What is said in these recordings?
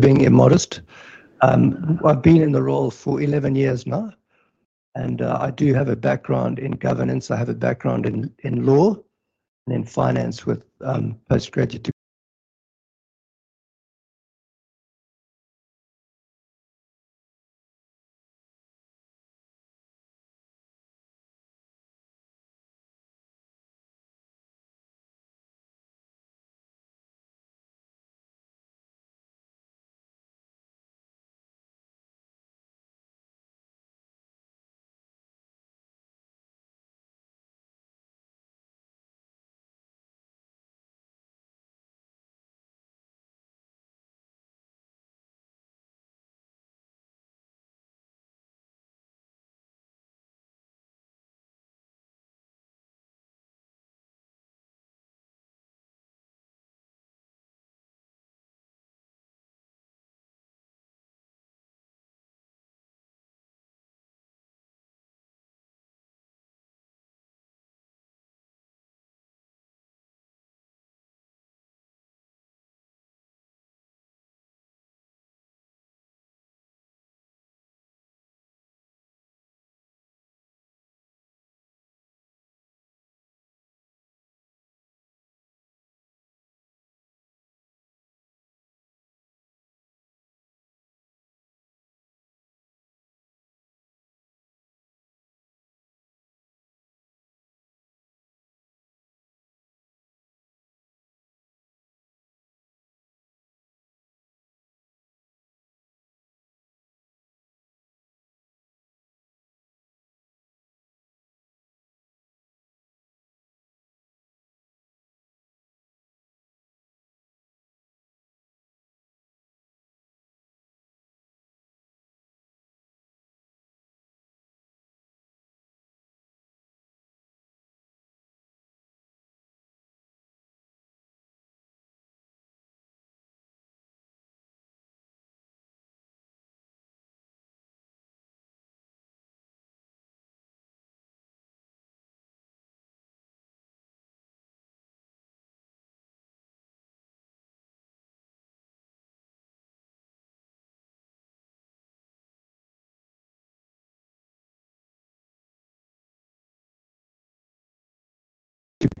Being immodest, I've been in the role for 11 years now, and I do have a background in governance. I have a background in law and in finance with postgraduate.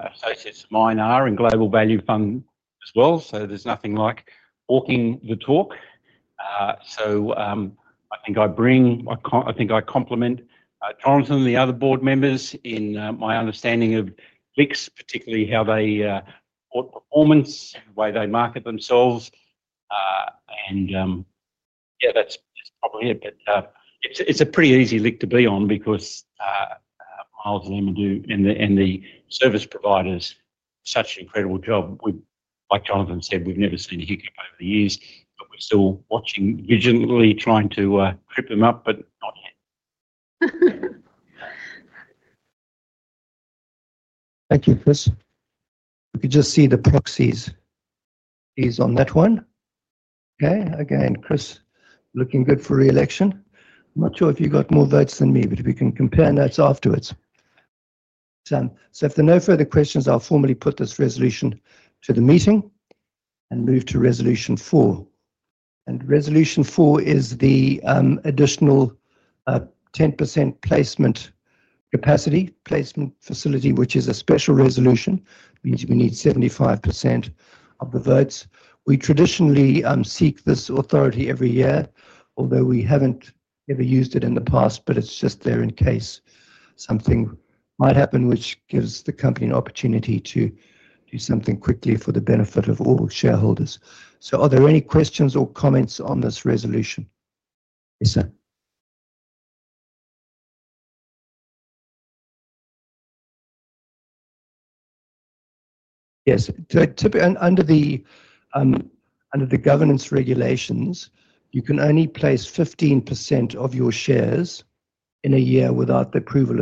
[I'm so excited to be in the R&D] Global Value Fund as well. There's nothing like walking the talk. I think I complement Jonathan and the other board members in my understanding of LICs, particularly how they report performance, the way they market themselves. Yeah, that's probably it. It's a pretty easy LIC to be on, because Miles and Emma do, and the service providers, such an incredible job. Like Jonathan said, we've never seen a hiccup over the years, but we're still watching vigilantly, trying to trip them up, but not yet. Thank you, Chris. You could just see the proxies on that one, okay. Again, Chris looking good for re-election. I'm not sure if you got more votes than me, but if we can compare notes afterwards. If there are no further questions, I'll formally put this resolution to the meeting and move to resolution four. Resolution four is the additional 10% placement capacity, placement facility, which is a special resolution. We need 75% of the votes. We traditionally seek this authority every year, although we haven't ever used it in the past, but it's just there in case something might happen, which gives the company an opportunity to do something quickly for the benefit of all shareholders. Are there any questions or comments on this resolution? Yes, sir. Yes. Under the governance regulations, you can only place 15% of your shares in a year without the approval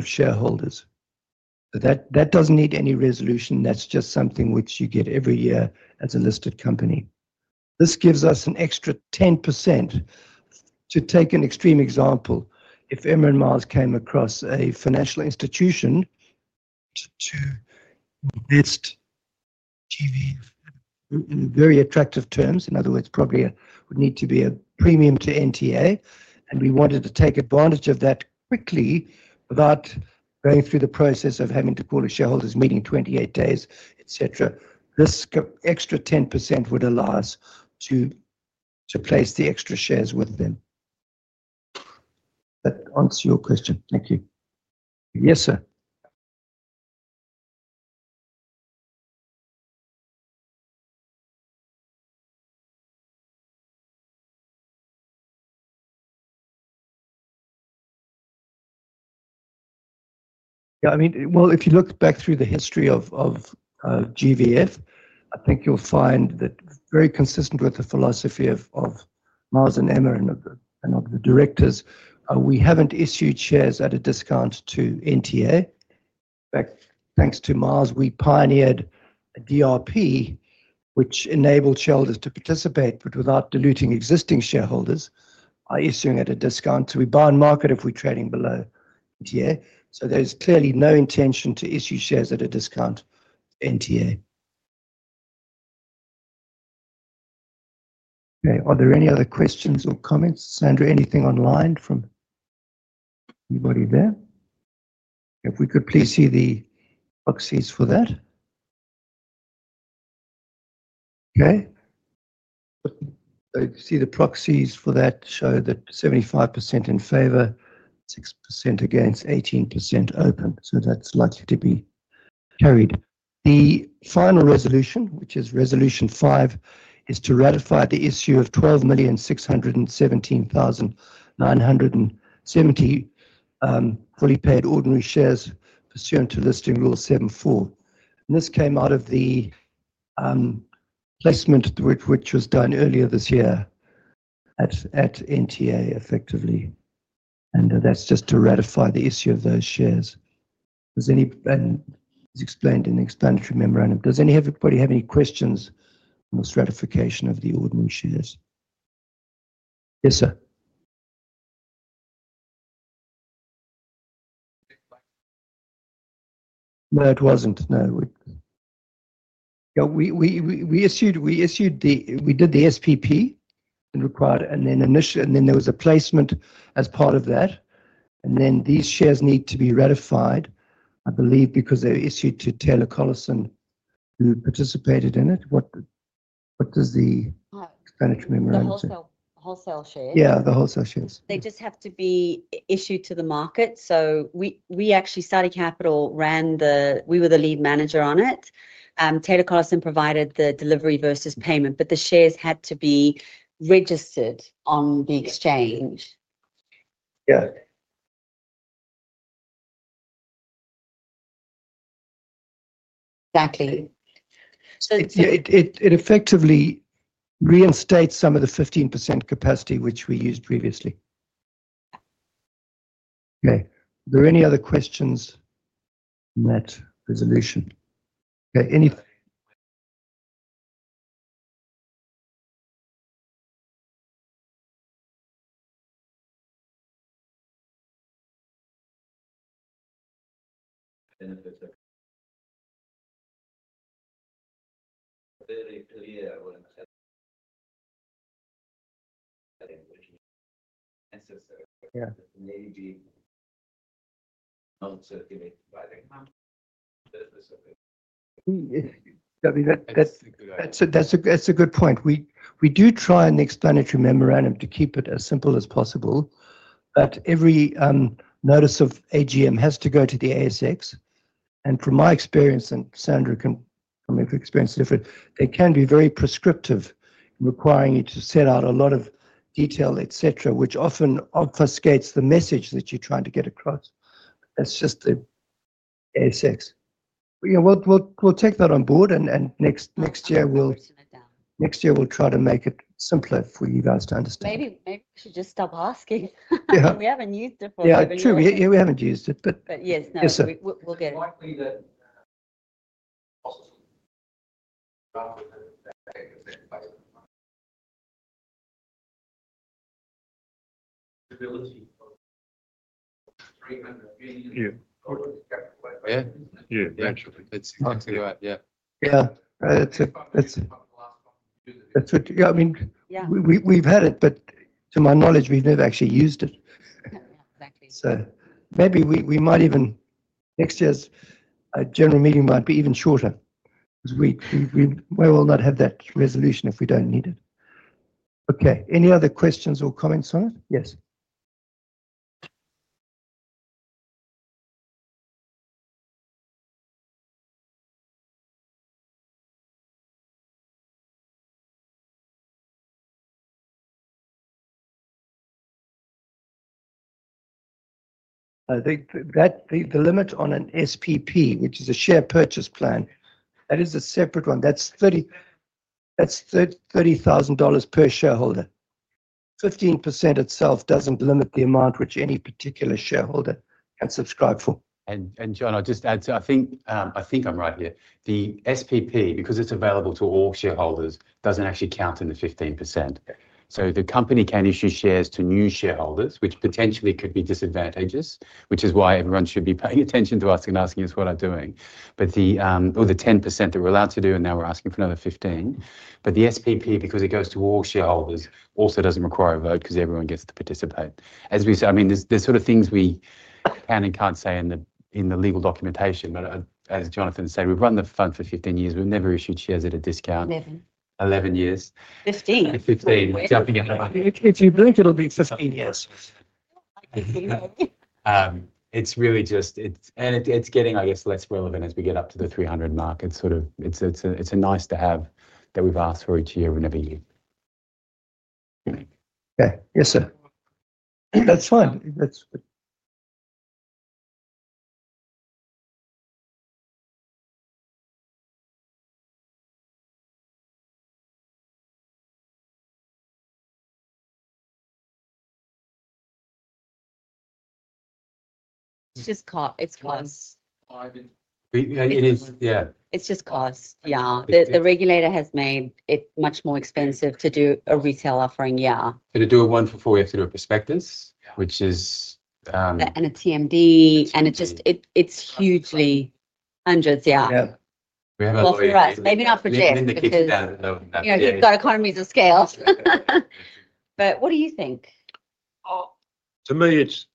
of shareholders. That does not need any resolution. That is just something which you get every year as a listed company. This gives us an extra 10%. To take an extreme example, if Emma and Miles came across a financial institution to invest in on very attractive terms, in other words, probably would need to be a premium to NTA, and we wanted to take advantage of that quickly without going through the process of having to call a shareholders meeting 28 days, etc., this extra 10% would allow us to place the extra shares with them. That answers your question? Thank you. Yes, sir. Yeah. I mean, if you look back through the history of GVF, I think you'll find that very consistent with the philosophy of Miles and Emma and of the directors, we haven't issued shares at a discount to NTA. Thanks to Miles, we pioneered a DRP which enabled shareholders to participate, but without diluting existing shareholders, issuing at a discount to rebound market if we're trading below NTA. There's clearly no intention to issue shares at a discount to NTA. Okay, are there any other questions or comments? Sandra, anything online from anybody there? If we could please see the proxies for that. Okay. You can see the proxies for that show that 75% in favor, 6% against, 18% open. That's likely to be carried. The final resolution, which is resolution five, is to ratify the issue of 12,617,970 fully paid ordinary shares pursuant to Listing Rule 7.4. This came out of the placement which was done earlier this year at NTA, effectively. That is just to ratify the issue of those shares. It is explained in the explanatory memorandum. Does anybody have any questions on this ratification of the ordinary shares? Yes, sir. No, it was not. No. Yeah, we did the SPP, and then there was a placement as part of that. These shares need to be ratified, I believe because they are issued to Taylor Collison, who participated in it. What does the explanatory memorandum say? The wholesale shares. Yeah, the wholesale shares. They just have to be issued to the market. We actually were the lead manager on it. Taylor Collison provided the delivery versus payment, but the shares had to be registered on the exchange. Yeah. So it effectively reinstates some of the 15% capacity which we used previously. Okay, are there any other questions on that resolution? Okay, any? That's a good point. We do try in the explanatory memorandum to keep it as simple as possible, but every notice of AGM has to go to the ASX. From my experience, and Sandra experience it different, it can be very prescriptive in requiring you to set out a lot of detail, etc., which often obfuscates the message that you're trying to get across. That's just the ASX. We'll take that on board, and then next year we'll try to make it simpler for you guys to understand. Maybe we should just stop asking. We haven't used it for a very long time. Yeah, true. Yeah, we haven't used it. Yes. No, we'll get it. Yeah. I mean, we've had it, but to my knowledge, we've never actually used it. Yeah, exactly. Maybe next year's general meeting might be even shorter, because we may well not have that resolution if we do not need it. Okay, any other questions or comments on it? Yes. I think that the limit on an SPP, which is a share purchase plan, that is a separate one. That is 30,000 dollars per shareholder. 15% itself does not limit the amount which any particular shareholder can subscribe for. Jonathan, just add, I think I'm right here. The SPP, because it's available to all shareholders, doesn't actually count in the 15%. The company can issue shares to new shareholders, which potentially could be disadvantageous, which is why everyone should be paying attention to us and asking us what we're doing. The 10% that we're allowed to do, and now we're asking for another 15%. The SPP, because it goes to all shareholders, also doesn't require a vote because everyone gets to participate. As we said, I mean, there's sort of things we can and can't say in the legal documentation. As Jonathan said, we've run the fund for 15 years. We've never issued shares at a discount. 11. 11 years. 15. 15. [Jumping out of my head]. If you blink, it'll be 15 years. It's really just, it's getting less relevant as we get up to the 300 mark. It's a nice-to-have that we've asked for each year whenever you. Okay. Yes, sir. That's fine. It's just cost. yah. It's just cost, yeah. The regulator has made it much more expensive to do a retail offering, yeah. To do a one for four, you have to do a prospectus. A TMD, and it's hugely hundreds, yeah. We have a. For us, maybe not for. Yeah, you've got economies of scale. What do you think? To me, it's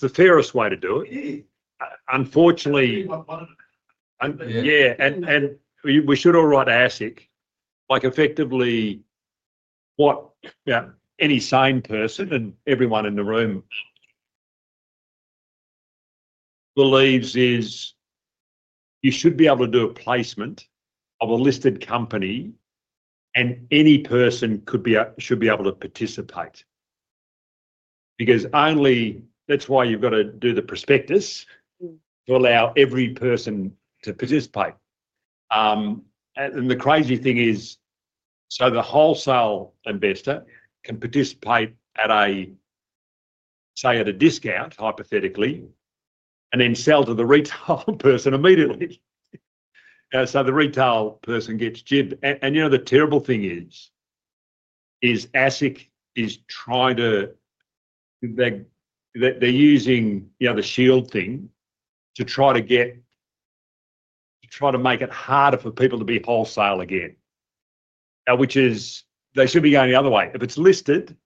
the fairest way to do it. Unfortunately, and we should all write the ASIC, effectively, what any sane person and everyone in the room believes is, you should be able to do a placement of a listed company and any person should be able to participate. that's why you've got to do the prospectus, to allow every person to participate. The crazy thing is, so the wholesale investor can participate at say at a discount hypothetically, and then sell to the retail person immediately. The retail person gets jibbed. The terrible thing is, ASIC, they're using the shield thing to try to make it harder for people to be wholesale again, which is, they should be going the other way. If it's listed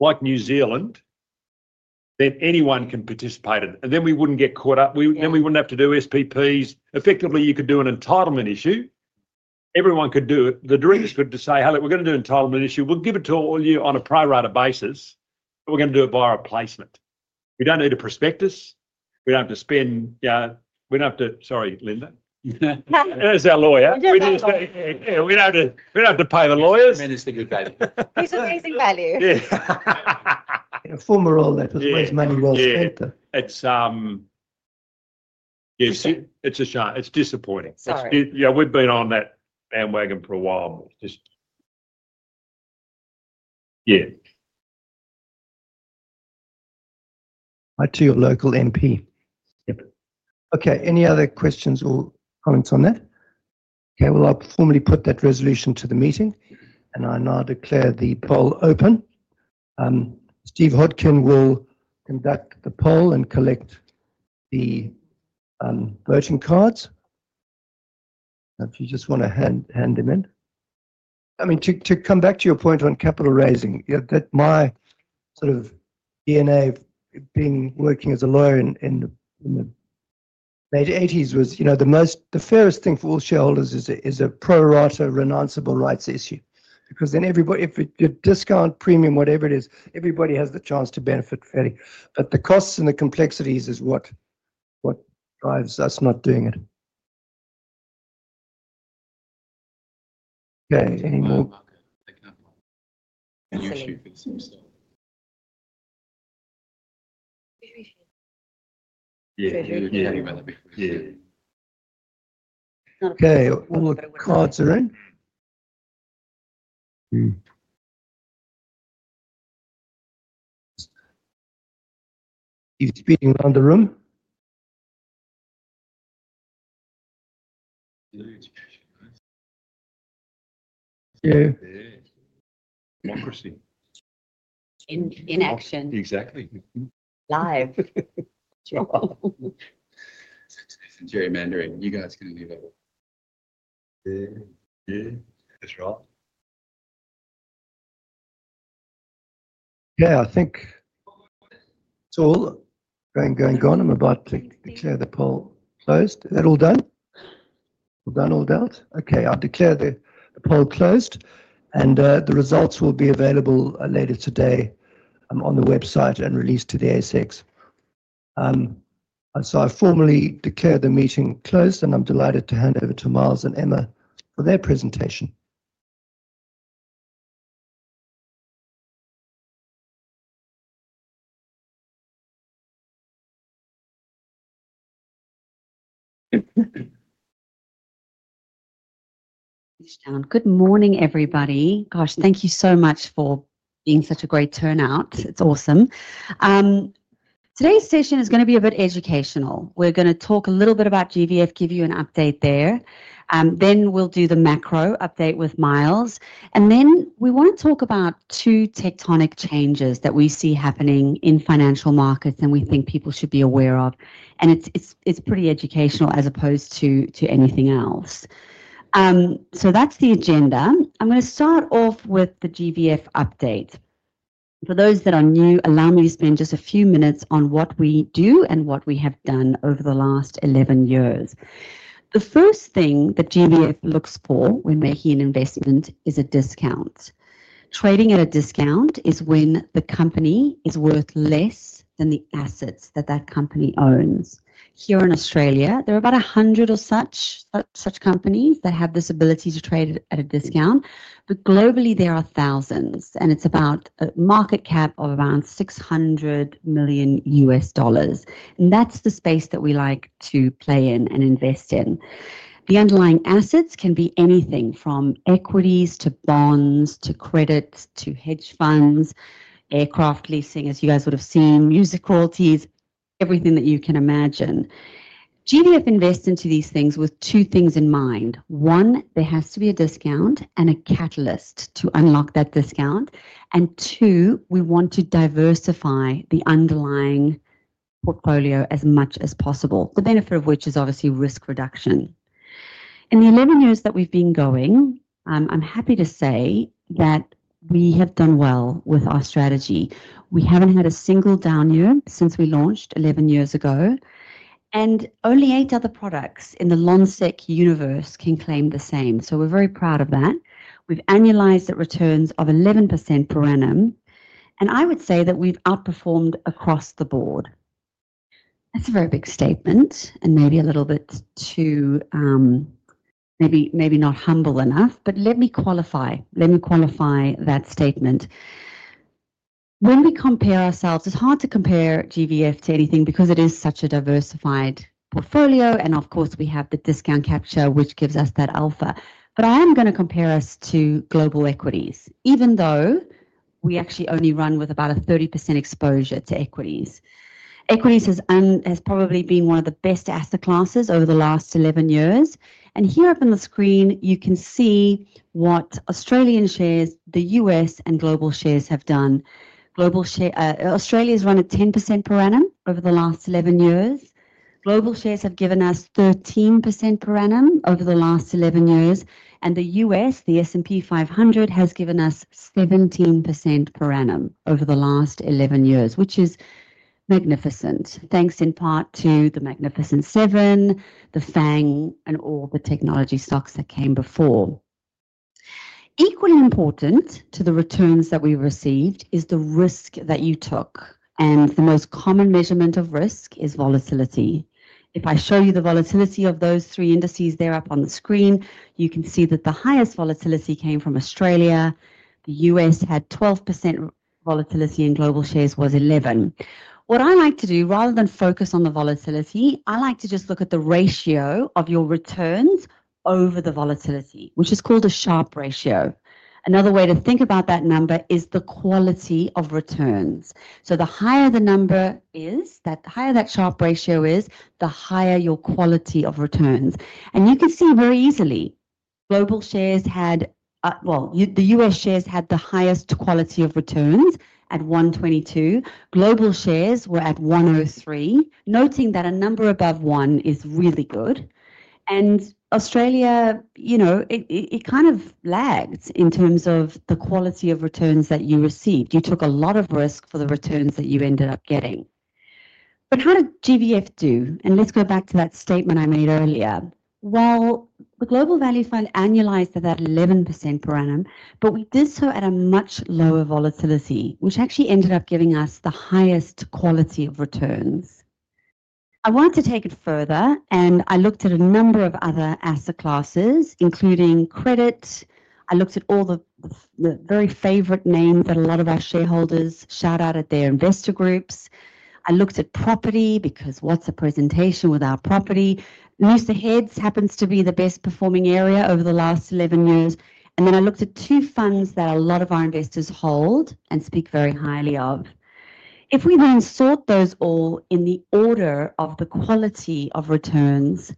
like New Zealand, then anyone can participate in it. We wouldn't get caught up. We would not have to do SPPs. Effectively, you could do an entitlement issue. Everyone could do it. The directors could just say, "Hello, we are going to do an entitlement issue. We will give it to all of you on a pro rata basis, but we are going to do it via a placement. We do not need a prospectus. We do not have to spend. Sorry, Linda. That is our lawyer. We do not have to pay the lawyers. value. value. Yeah. In a formal role, [that was where his money was spent, though]. Yeah. It's a shame. It's disappointing. Sorry. Yeah, we've been on that bandwagon for a while. Yeah. Right to your local MP. Yep. Okay. Any other questions or comments on that? Okay, I will formally put that resolution to the meeting, and I now declare the poll open. Steve [Hodkin] will conduct the poll and collect the voting cards. If you just want to hand them in. I mean, to come back to your point on capital raising, my sort of DNA of working as a lawyer in the late 1980s was, the fairest thing for all shareholders is a pro rata renounceable rights issue, because then if you've got discount, premium, whatever it is, everybody has the chance to benefit fairly. The costs and the complexities is what drives us not doing it. Okay, any more? Yeah. Okay, all the cards are in? around the room. Yeah, democracy. In action. Exactly. Live. You guys can leave. That's right. Yeah, I think it's all been going on. I'm about to declare the poll closed. Is that all done? All done, all dealt? Okay, I'll declare the poll closed, and the results will be available later today on the website and released to the ASX. I formally declare the meeting closed, and I'm delighted to hand over to Miles and Emma for their presentation. Good morning, everybody. Gosh, thank you so much for being such a great turnout. It's awesome. Today's session is going to be a bit educational. We're going to talk a little bit about GVF, give you an update there. We'll do the macro update with Miles. We want to talk about two tectonic changes that we see happening in financial markets that we think people should be aware of. It's pretty educational as opposed to anything else. That is the agenda. I'm going to start off with the GVF update. For those that are new, allow me to spend just a few minutes on what we do and what we have done over the last 11 years. The first thing that GVF looks for when making an investment is a discount. Trading at a discount is when the company is worth less than the assets that that company owns. Here in Australia, there are about 100 or such companies that have this ability to trade at a discount. Globally, there are thousands, and it is about a market cap of around $600 million. That is the space that we like to play in and invest in. The underlying assets can be anything from equities to bonds to credits to hedge funds, aircraft leasing, as you guys would have seen, music royalties, everything that you can imagine. GVF invests into these things with two things in mind. One, there has to be a discount and a catalyst to unlock that discount. Two, we want to diversify the underlying portfolio as much as possible, the benefit of which is obviously risk reduction. In the 11 years that we've been going, I'm happy to say that we have done well with our strategy. We haven't had a single down year since we launched 11 years ago. Only eight other products in the Lonsec universe can claim the same. We are very proud of that. We have annualized at returns of 11% per annum. I would say that we've outperformed across the board. That is a very big stateent and maybe not humble enough., but let me qualify that statement. When we compare ourselves, it's hard to compare GVF to anything because it is such a diversified portfolio. Of course, we have the discount capture, which gives us that alpha. I am going to compare us to global equities, even though we actually only run with about a 30% exposure to equities. Equities has probably been one of the best asset classes over the last 11 years. Here up on the screen, you can see what Australian shares, the U.S. and global shares have done. Australia has run at 10% per annum over the last 11 years. Global shares have given us 13% per annum over the last 11 years. The U.S., the S&P 500, has given us 17% per annum over the last 11 years, which is magnificent, thanks in part to the Magnificent Seven, the FAANG, and all the technology stocks that came before. Equally important to the returns that we received is the risk that you took. The most common measurement of risk is volatility. If I show you the volatility of those three indices there up on the screen, you can see that the highest volatility came from Australia. The U.S. had 12% volatility, and global shares was 11%. What I like to do, rather than focus on the volatility, I like to just look at the ratio of your returns over the volatility, which is called a Sharpe ratio. Another way to think about that number is the quality of returns. The higher the number is, the higher that Sharpe ratio is, the higher your quality of returns. You can see very easily, the U.S. shares had the highest quality of returns at 122. Global shares, we have 103, noting that a number above one is really good. Australia, it kind of lagged in terms of the quality of returns that you received. You took a lot of risk for the returns that you ended up getting. How did GVF do? Let's go back to that statement I made earlier. The Global Value Fund annualised at that 11% per annum, but we did so at a much lower volatility, which actually ended up giving us the highest quality of returns. I wanted to take it further, and I looked at a number of other asset classes, including credit. I looked at all the very favourite names that a lot of our shareholders shout out at their investor groups. I looked at property, because what's a presentation without property? Mesa Heads happens to be the best-performing area over the last 11 years. I looked at two funds that a lot of our investors hold and speak very highly of. If we then sort those all in the order of the quality of returns,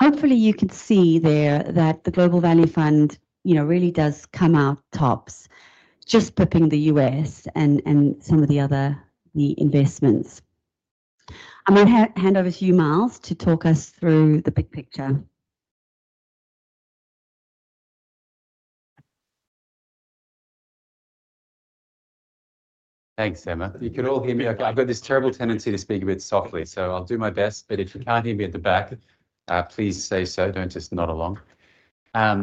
hopefully you can see there that the Global Value Fund really does come out tops, just pipping the U.S. and some of the other investments. I'm going to hand over to you, Miles, to talk us through the big picture. Thanks, Emma. You can all hear me okay? I've got this terrible tendency to speak a bit softly, so I'll do my best. If you can't hear me at the back, please say so. Don't just nod along. I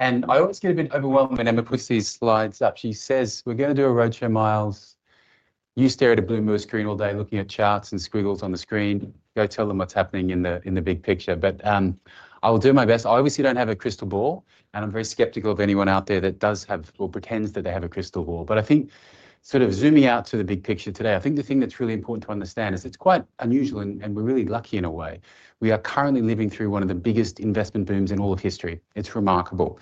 always get a bit overwhelmed when Emma puts these slides up. She says, "We're going to do a roadshow, Miles. You stare at a blue MoreScreen all day looking at charts and squiggles on the screen. Go tell them what's happening in the big picture." I will do my best. I obviously don't have a crystal ball, and I'm very sceptical of anyone out there that does have or pretends that they have a crystal ball. I think sort of zooming out to the big picture today, the thing that's really important to understand is it's quite unusual and we're really lucky in a way. We are currently living through one of the biggest investment booms in all of history. It's remarkable.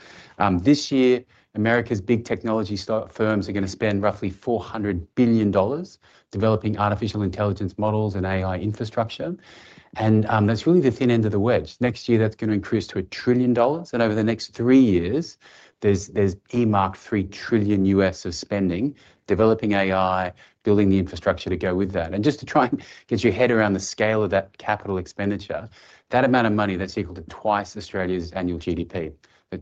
This year, America's big technology firms are going to spend roughly $400 billion developing artificial intelligence models and AI infrastructure. That's really the thin end of the wedge. Next year, that's going to increase to $1 trillion. Over the next three years, there's earmarked $3 trillion of spending developing AI, building the infrastructure to go with that. Just to try and get your head around the scale of that capital expenditure, that amount of money, that's equal to twice Australia's annual GDP.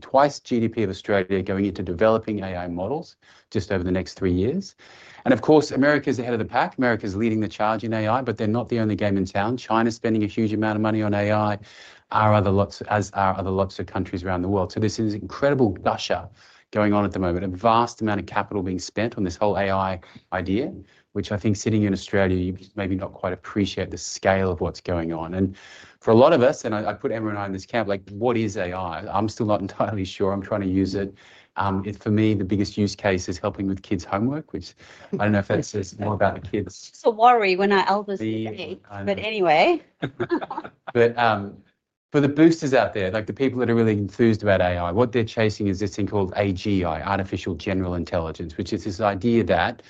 Twice GDP of Australia going into developing AI models just over the next three years. Of course, America is ahead of the pack. America is leading the charge in AI, but they're not the only game in town. China is spending a huge amount of money on AI, as are lots of other countries around the world. This is an incredible gusher going on at the moment, a vast amount of capital being spent on this whole AI idea, which I think sitting in Australia, you maybe do not quite appreciate the scale of what's going on. For a lot of us, and I put everyone out in this camp, like, "What is AI?" I'm still not entirely sure. I'm trying to use it. For me, the biggest use case is helping with kids' homework, which I do not know if that's more about the kids. It's a worry when [our elders] speak, but anyway. For the boosters out there, like the people that are really enthused about AI, what they're chasing is this thing called AGI, Artificial General Intelligence, which is this idea that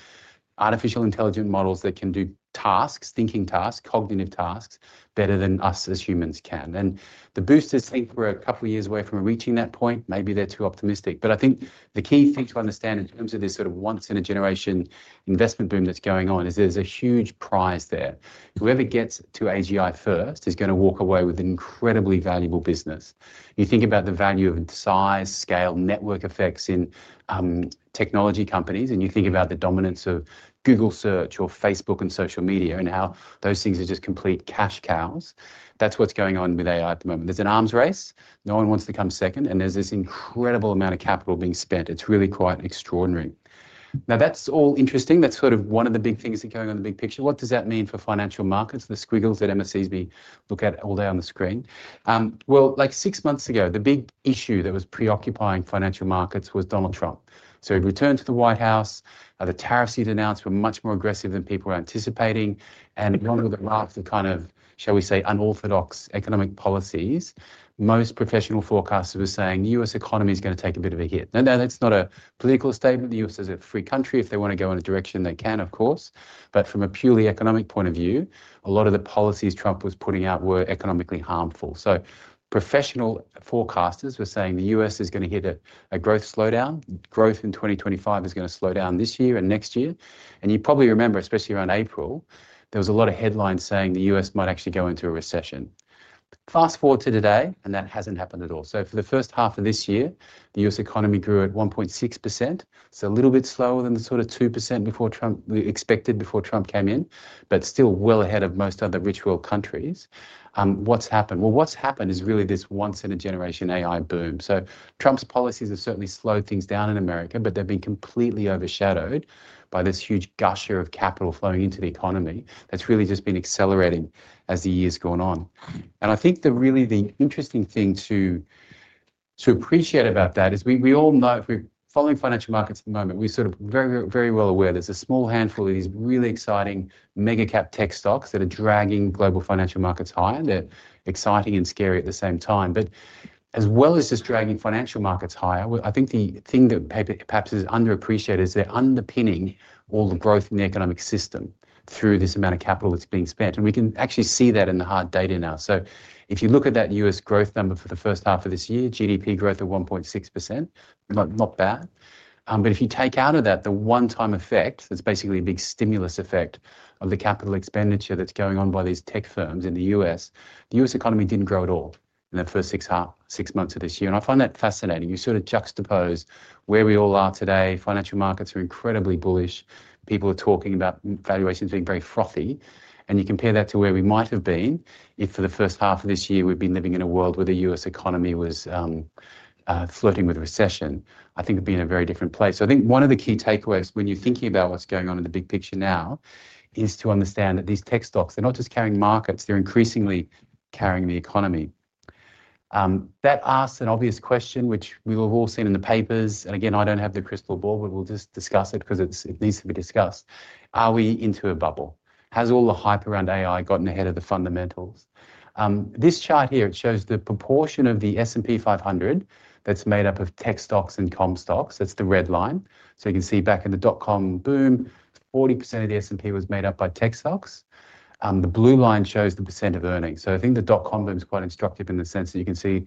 artificial intelligent models that can do tasks, thinking tasks, cognitive tasks better than us as humans can. The boosters think we're a couple of years away from reaching that point. Maybe they're too optimistic. I think the key thing to understand in terms of this sort of once-in-a-generation investment boom that's going on is there's a huge prize there. Whoever gets to AGI first is going to walk away with an incredibly valuable business. You think about the value of size, scale, network effects in technology companies, and you think about the dominance of Google Search or Facebook and social media, and how those things are just complete cash cows. That's what's going on with AI at the moment. There's an arms race. No one wants to come second, and there's this incredible amount of capital being spent. It's really quite extraordinary. Now, that's all interesting. That's sort of one of the big things that are going on in the big picture. What does that mean for financial markets, the squiggles that Emma sees me look at all day on the screen? Like six months ago, the big issue that was preoccupying financial markets was Donald Trump. He returned to the White House. The tariffs he'd announced were much more aggressive than people were anticipating and along with a raft of kind of, shall we say, unorthodox economic policies, most professional forecasters were saying the U.S. economy is going to take a bit of a hit. Now, that's not a political statement. The U.S. is a free country. If they want to go in a direction, they can of course. From a purely economic point of view, a lot of the policies Trump was putting out were economically harmful. Professional forecasters were saying the U.S. is going to hit a growth slowdown. Growth in 2025 is going to slow down this year and next year. You probably remember, especially around April, there was a lot of headlines saying the U.S. might actually go into a recession. Fast forward to today, and that has not happened at all. For the first half of this year, the U.S. economy grew at 1.6%. It is a little bit slower than the sort of 2% we expected before Trump came in, but still well ahead of most other rich world countries. What has happened? What has happened is really this once-in-a-generation AI boom. Trump's policies have certainly slowed things down in America, but they've been completely overshadowed by this huge gusher of capital flowing into the economy that's really just been accelerating as the year's gone on. I think really the interesting thing to appreciate about that is we all know, if we're following financial markets at the moment, we're sort of very well aware there's a small handful of these really exciting mega-cap tech stocks that are dragging global financial markets higher. They're exciting and scary at the same time. As well as just dragging financial markets higher, I think the thing that perhaps is underappreciated is they're underpinning all the growth in the economic system through this amount of capital that's being spent. We can actually see that in the hard data now. If you look at that U.S. growth number for the first half of this year, GDP growth at 1.6%, not bad. If you take out of that the one-time effect, that's basically a big stimulus effect of the capital expenditure that's going on by these tech firms in the U.S., the U.S. economy did not grow at all in the first six months of this year. I find that fascinating. You sort of juxtapose where we all are today. Financial markets are incredibly bullish. People are talking about valuations being very frothy. You compare that to where we might have been if for the first half of this year, we had been living in a world where the U.S. economy was flirting with recession. I think we would be in a very different place. I think one of the key takeaways when you're thinking about what's going on in the big picture now, is to understand that these tech stocks, they're not just carrying markets. They're increasingly carrying the economy. That asks an obvious question, which we've all seen in the papers. Again, I don't have the crystal ball, but we'll just discuss it because it needs to be discussed. Are we into a bubble? Has all the hype around AI gotten ahead of the fundamentals? This chart here, it shows the proportion of the S&P 500 that's made up of tech stocks and comm stocks. That's the red line. You can see back in the dot-com boom, 40% of the S&P was made up by tech stocks. The blue line shows the percent of earnings. I think the dot-com boom is quite instructive in the sense that you can see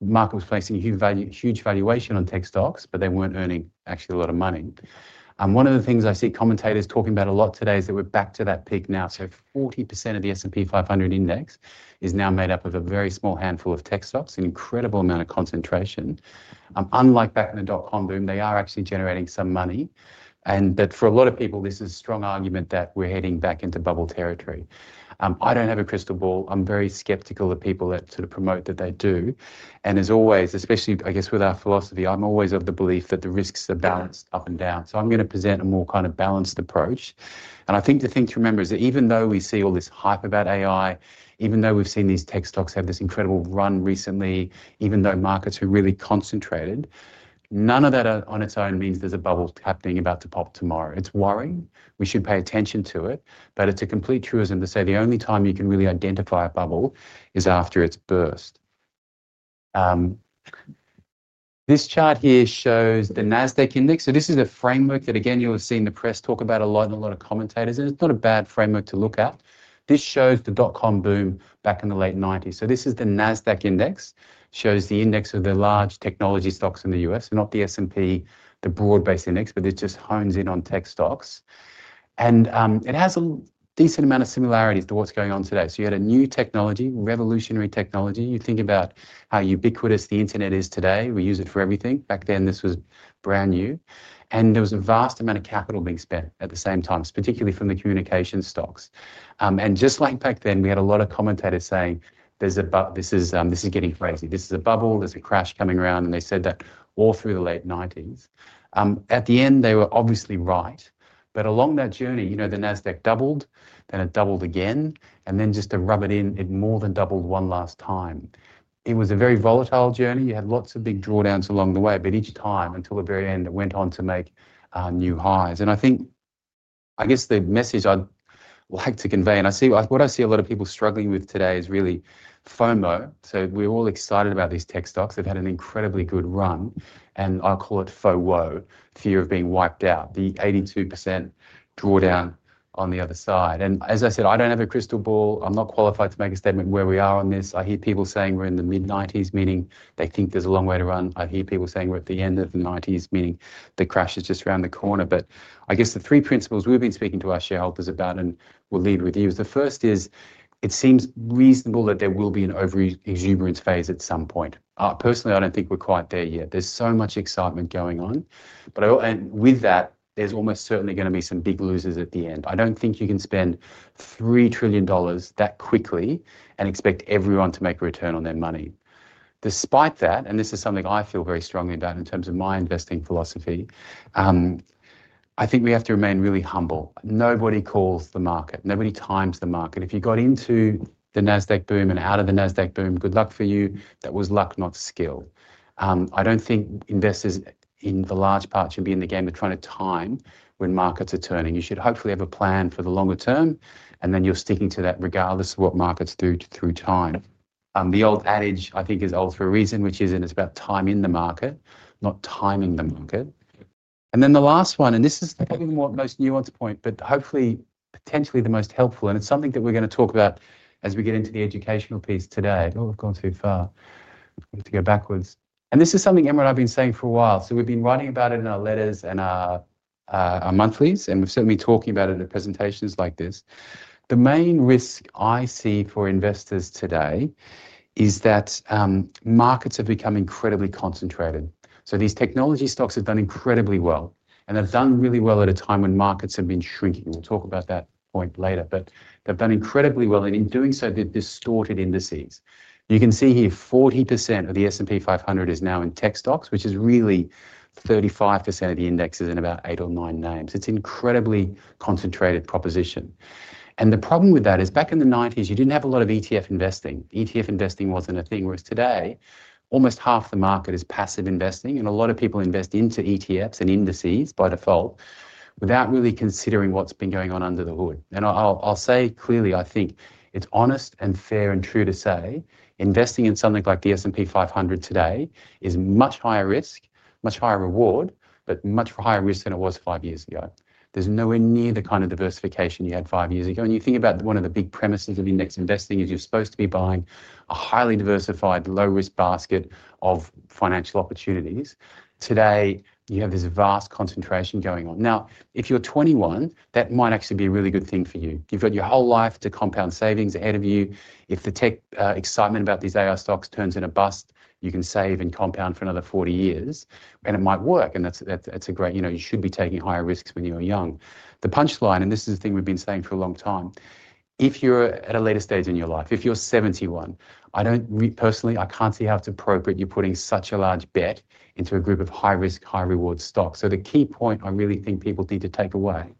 market was placing a huge aluation on tech stocks, but they were not earning actually a lot of money. One of the things I see commentators talking about a lot today is that we are back to that peak now. 40% of the S&P 500 index is now made up of a very small handful of tech stocks, an incredible amount of concentration. Unlike back in the dot-com boom, they are actually generating some money. For a lot of people, this is a strong argument that we are heading back into bubble territory. I do not have a crystal ball. I am very skeptical of people that sort of promote that they do. As always, especially I guess, with our philosophy, I am always of the belief that the risks are balanced up and down, so I'm going to present a more kind of balanced approach. I think the thing to remember is that even though we see all this hype about AI, even though we've seen these tech stocks have this incredible run recently, even though markets are really concentrated, none of that on its own means there's a bubble happening about to pop tomorrow. It's worrying. We should pay attention to it, but it's a complete truism to say, the only time you can really identify a bubble is after it's burst. This chart here shows the NASDAQ index. This is a framework that again, you'll have seen the press talk about a lot and a lot of commentators. It's not a bad framework to look at. This shows the dot-com boom back in the late 1990s. This is the NASDAQ index. It shows the index of the large technology stocks in the U.S., not the S&P, the broad-based index, but it just hones in on tech stocks. It has a decent amount of similarities to what is going on today. You had a new technology, revolutionary technology. You think about how ubiquitous the internet is today. We use it for everything. Back then, this was brand new. There was a vast amount of capital being spent at the same time, particularly from the communication stocks. Just like back then, we had a lot of commentators saying, "This is getting crazy. This is a bubble. There is a crash coming around." They said that all through the late 1990s. At the end, they were obviously right. Along that journey, you know the NASDAQ doubled, then it doubled again and then just to rub it in, it more than doubled one last time. It was a very volatile journey. You had loTs of big drawdowns along the way, but each time until the very end, it went on to make new highs. I think the message I'd like to convey, and what I see a lot of people struggling with today is really FOMO. We're all excited about these tech stocks. They've had an incredibly good run. I'll call it FOWO, fear of being wiped out, the 82% drawdown on the other side. As I said, I don't have a crystal ball. I'm not qualified to make a statement where we are on this. I hear people saying we're in the mid-1990s, meaning they think there's a long way to run. I hear people saying we're at the end of the 1990s, meaning the crash is just around the corner. I guess the three principles we've been speaking to our shareholders about and we'll leave with you, the first is, it seems reasonable that there will be an over-exuberance phase at some point. Personally, I don't think we're quite there yet. There's so much excitement going on. With that, there's almost certainly going to be some big losers at the end. I don't think you can spend $3 trillion that quickly and expect everyone to make a return on their money. Despite that, and this is something I feel very strongly about in terms of my investing philosophy, I think we have to remain really humble. Nobody calls the market. Nobody times the market. If you got into the NASDAQ boom and out of the NASDAQ boom, good luck for you. That was luck, not skill. I do not think investors in the large part should be in the game of trying to time when markets are turning. You should hopefully have a plan for the longer term, and then you are sticking to that regardless of what markets do through time. The old adage, I think is old for a reason, which is, it is about time in the market, not timing the market. The last one, and this is probably the most nuanced point, but hopefully, potentially the most helpful. It is something that we are going to talk about as we get into the educational piece today. Oh, I have gone too far. I need to go backwards. This is something, Emma, I have been saying for a while. We've been writing about it in our letters and our monthlies, and we've certainly been talking about it at presentations like this. The main risk I see for investors today is that markets have become incredibly concentrated. These technology stocks have done incredibly well, and they've done really well at a time when markets have been shrinking. We'll talk about that point later. They've done incredibly well. In doing so, they've distorted indices. You can see here, 40% of the S&P 500 is now in tech stocks, which is really, 35% of the index is in about eight or nine names. It's an incredibly concentrated proposition. The problem with that is back in the 1990s, you didn't have a lot of ETF investing. ETF investing wasn't a thing. Whereas today, almost half the market is passive investing, and a lot of people invest into ETFs and indices by default, without really considering what's been going on under the hood. I'll say clearly, I think it's honest and fair and true to say, investing in something like the S&P 500 today is much higher risk, much higher reward, but much higher risk than it was five years ago. There's nowhere near the kind of diversification you had five years ago. You think about one of the big premises of index investing, is you're supposed to be buying a highly diversified, low-risk basket of financial opportunities. Today, you have this vast concentration going on. Now, if you're 21, that might actually be a really good thing for you. You've got your whole life to compound savings ahead of you. If the tech excitement about these AI stocks turns in a bust, you can save and compound for another 40 years and it might work. That's great, you should be taking higher risks when you're young. The punchline, and this is the thing we've been saying for a long time, if you're at a later stage in your life, if you're 71, personally, I can't see how it's appropriate you're putting such a large bet into a group of high-risk, high-reward stocks. The key point I really think people need to take away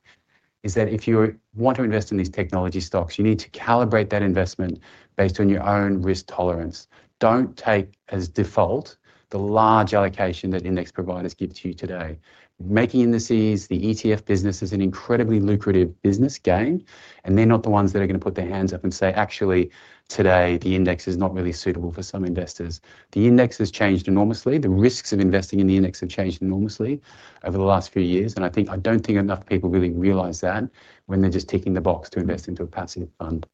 is that if you want to invest in these technology stocks, you need to calibrate that investment based on your own risk tolerance. Don't take as default the large allocation that index providers give to you today. Making indices, the ETF business is an incredibly lucrative business game, and they're not the ones that are going to put their hands up and say, "Actually, today the index is not really suitable for some investors." The index has changed enormously. The risks of investing in the index have changed enormously over the last few years. I think I don't think enough people really realize that when they're just ticking the box to invest into a passive fund.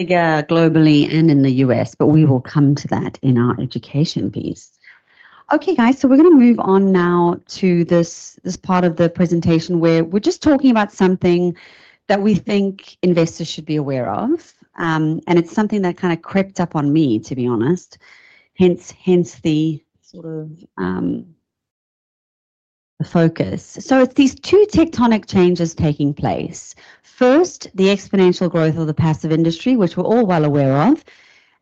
bigger globally and in the U.S., but we will come to that in our education piece. Okay, guys, we are going to move on now to this part of the presentation where we're just talking about something that we think investors should be aware of. It is something that kind of crept up on me, to be honest. Hence the sort of focus. It's these two tectonic changes taking place. First, the exponential growth of the passive industry, which we're all well aware of,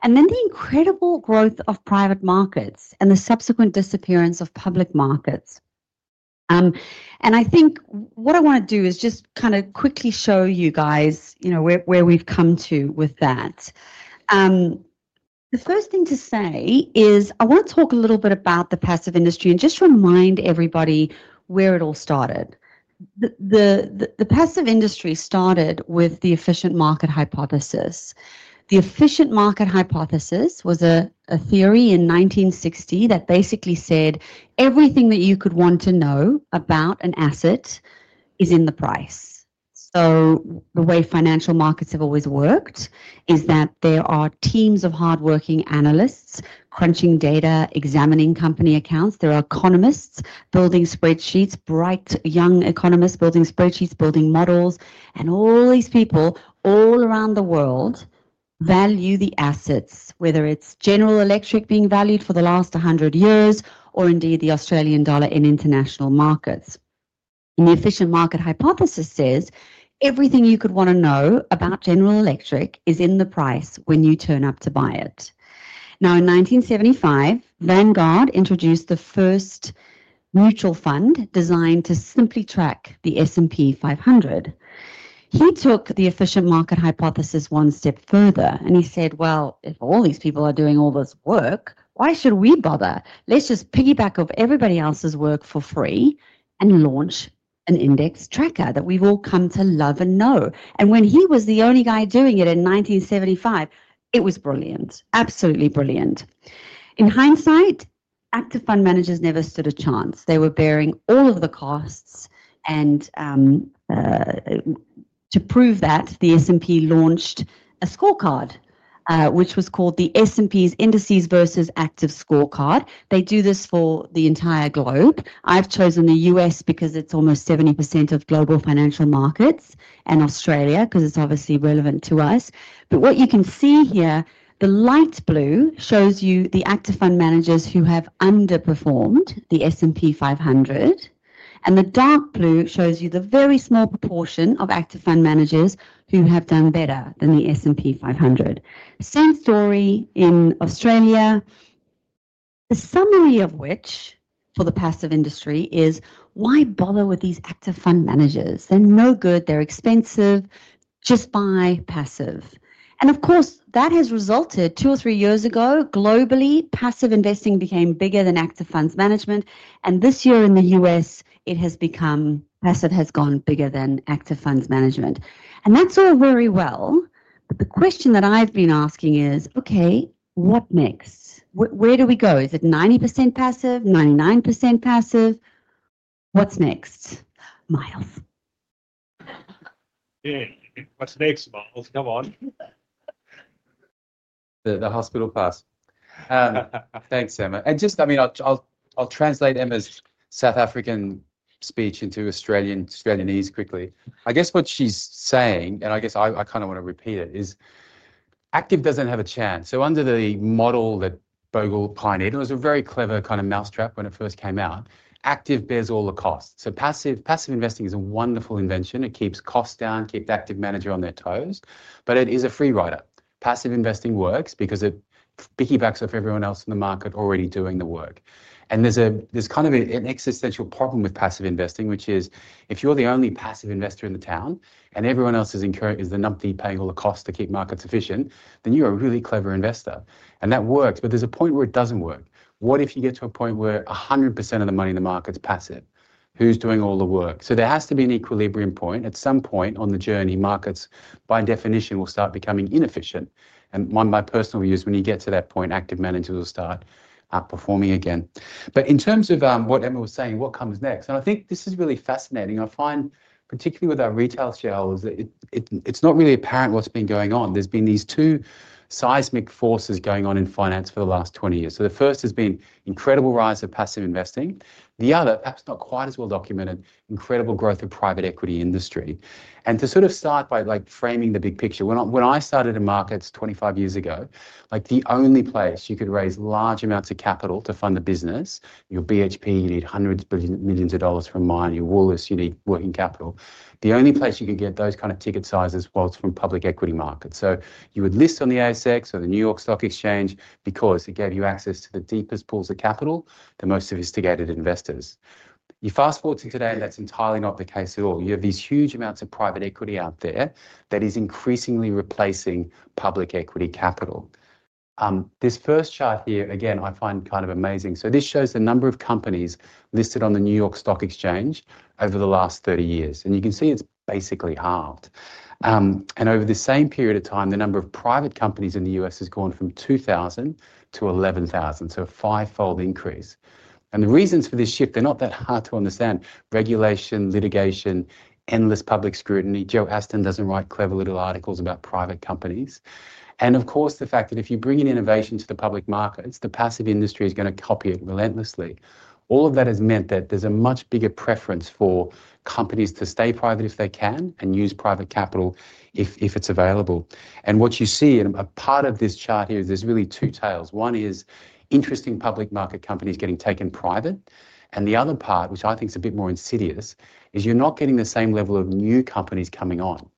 and then the incredible growth of private markets and the subsequent disappearance of public markets. I think what I want to do is just kind of quickly show you guys where we've come to with that. The first thing to say is, I want to talk a little bit about the passive industry and just remind everybody where it all started. The passive industry started with the efficient market hypothesis. The efficient market hypothesis was a theory in 1960 that basically said everything that you could want to know about an asset is in the price. The way financial markets have always worked is that there are teams of hardworking analysts crunching data, examining company accounts. There are economists building spreadsheets, bright young economists building spreadsheets, building models. All these people all around the world value the assets, whether it's General Electric being valued for the last 100 years or indeed the Australian dollar in international markets. The efficient market hypothesis says everything you could want to know about General Electric is in the price when you turn up to buy it. In 1975, Vanguard introduced the first mutual fund designed to simply track the S&P 500. He took the efficient market hypothesis one step further, and he said, "If all these people are doing all this work, why should we bother? Let's just piggyback off everybody else's work for free and launch an index tracker that we've all come to love and know." When he was the only guy doing it in 1975, it was brilliant, absolutely brilliant. In hindsight, active fund managers never stood a chance. They were bearing all of the costs. To prove that, the S&P launched a scorecard, which was called the S&P's Indices Versus Active scorecard. They do this for the entire globe. I've chosen the U.S. because it's almost 70% of global financial markets and Australia, because it's obviously relevant to us. What you can see here, the light blue shows you the active fund managers who have underperformed the S&P 500. The dark blue shows you the very small proportion of active fund managers who have done better than the S&P 500. Same story in Australia, the summary of which for the passive industry is, "Why bother with these active fund managers? They're no good. They're expensive. Just buy passive." Of course, that has resulted two or three years ago globally, passive investing became bigger than active funds management. This year in the U.S., it has become passive has gone bigger than active funds management. That's all very well. The question that I've been asking is, "Okay, what next? Where do we go? Is it 90% passive? 99% passive? What's next? Miles." Yeah, what's next, Miles? Come on. The hospital pass. Thanks, Emma. I mean, I'll translate Emma's South African speech into Australian quickly. I guess what she's saying, and I guess I kind of want to repeat it, is active doesn't have a chance. Under the model that Bogle pioneered, it was a very clever kind of mousetrap when it first came out. Active bears all the costs. Passive investing is a wonderful invention. It keeps costs down, keeps active managers on their toes, but it is a free rider. Passive investing works because it piggybacks off everyone else in the market already doing the work. There's kind of an existential problem with passive investing, which is, if you're the only passive investor in the town and everyone else is the numpty paying all the costs to keep markets efficient, then you're a really clever investor. That works, but there's a point where it does not work. What if you get to a point where 100% of the money in the market is passive? Who is doing all the work? There has to be an equilibrium point. At some point on the journey, markets, by definition, will start becoming inefficient. My personal view is, when you get to that point, active managers will start outperforming again. In terms of what Emma was saying, what comes next? I think this is really fascinating. I find, particularly with our retail [shell]s, it's not really apparent what's been going on. There have been these two seismic forces going on in finance for the last 20 years. The first has been the incredible rise of passive investing. The other, perhaps not quite as well documented, is the incredible growth of the private equity industry. To sort of start by framing the big picture, when I started in markets 25 years ago, the only place you could raise large amounts of capital to fund the business, your BHP, you need hundreds of millions of dollars for a mine, your Woolworths, you need working capital, the only place you could get those kind of ticket sizes was from public equity markets. You would list on the ASX or the New York Stock Exchange because it gave you access to the deepest pools of capital, the most sophisticated investors. You fast forward to today, that's entirely not the case at all. You have these huge amounts of private equity out there that is increasingly replacing public equity capital. This first chart here again, I find kind of amazing. This shows the number of companies listed on the New York Stock Exchange over the last 30 years. You can see it's basically halved. Over the same period of time, the number of private companies in the U.S. has gone from 2,000 to 11,000, so a five-fold increase. The reasons for this shift, they're not that hard to understand, regulation, litigation, endless public scrutiny. Joe Aston doesn't write clever little articles about private companies. Of course, the fact that if you bring in innovation to the public markets, the passive industry is going to copy it relentlessly. All of that has meant that there is a much bigger preference for companies to stay private if they can, and use private capital if it is available. What you see in a part of this chart here is there are really two tails. One is interesting public market companies getting taken private. The other part, which I think is a bit more insidious, is you are not getting the same level of new companies coming on.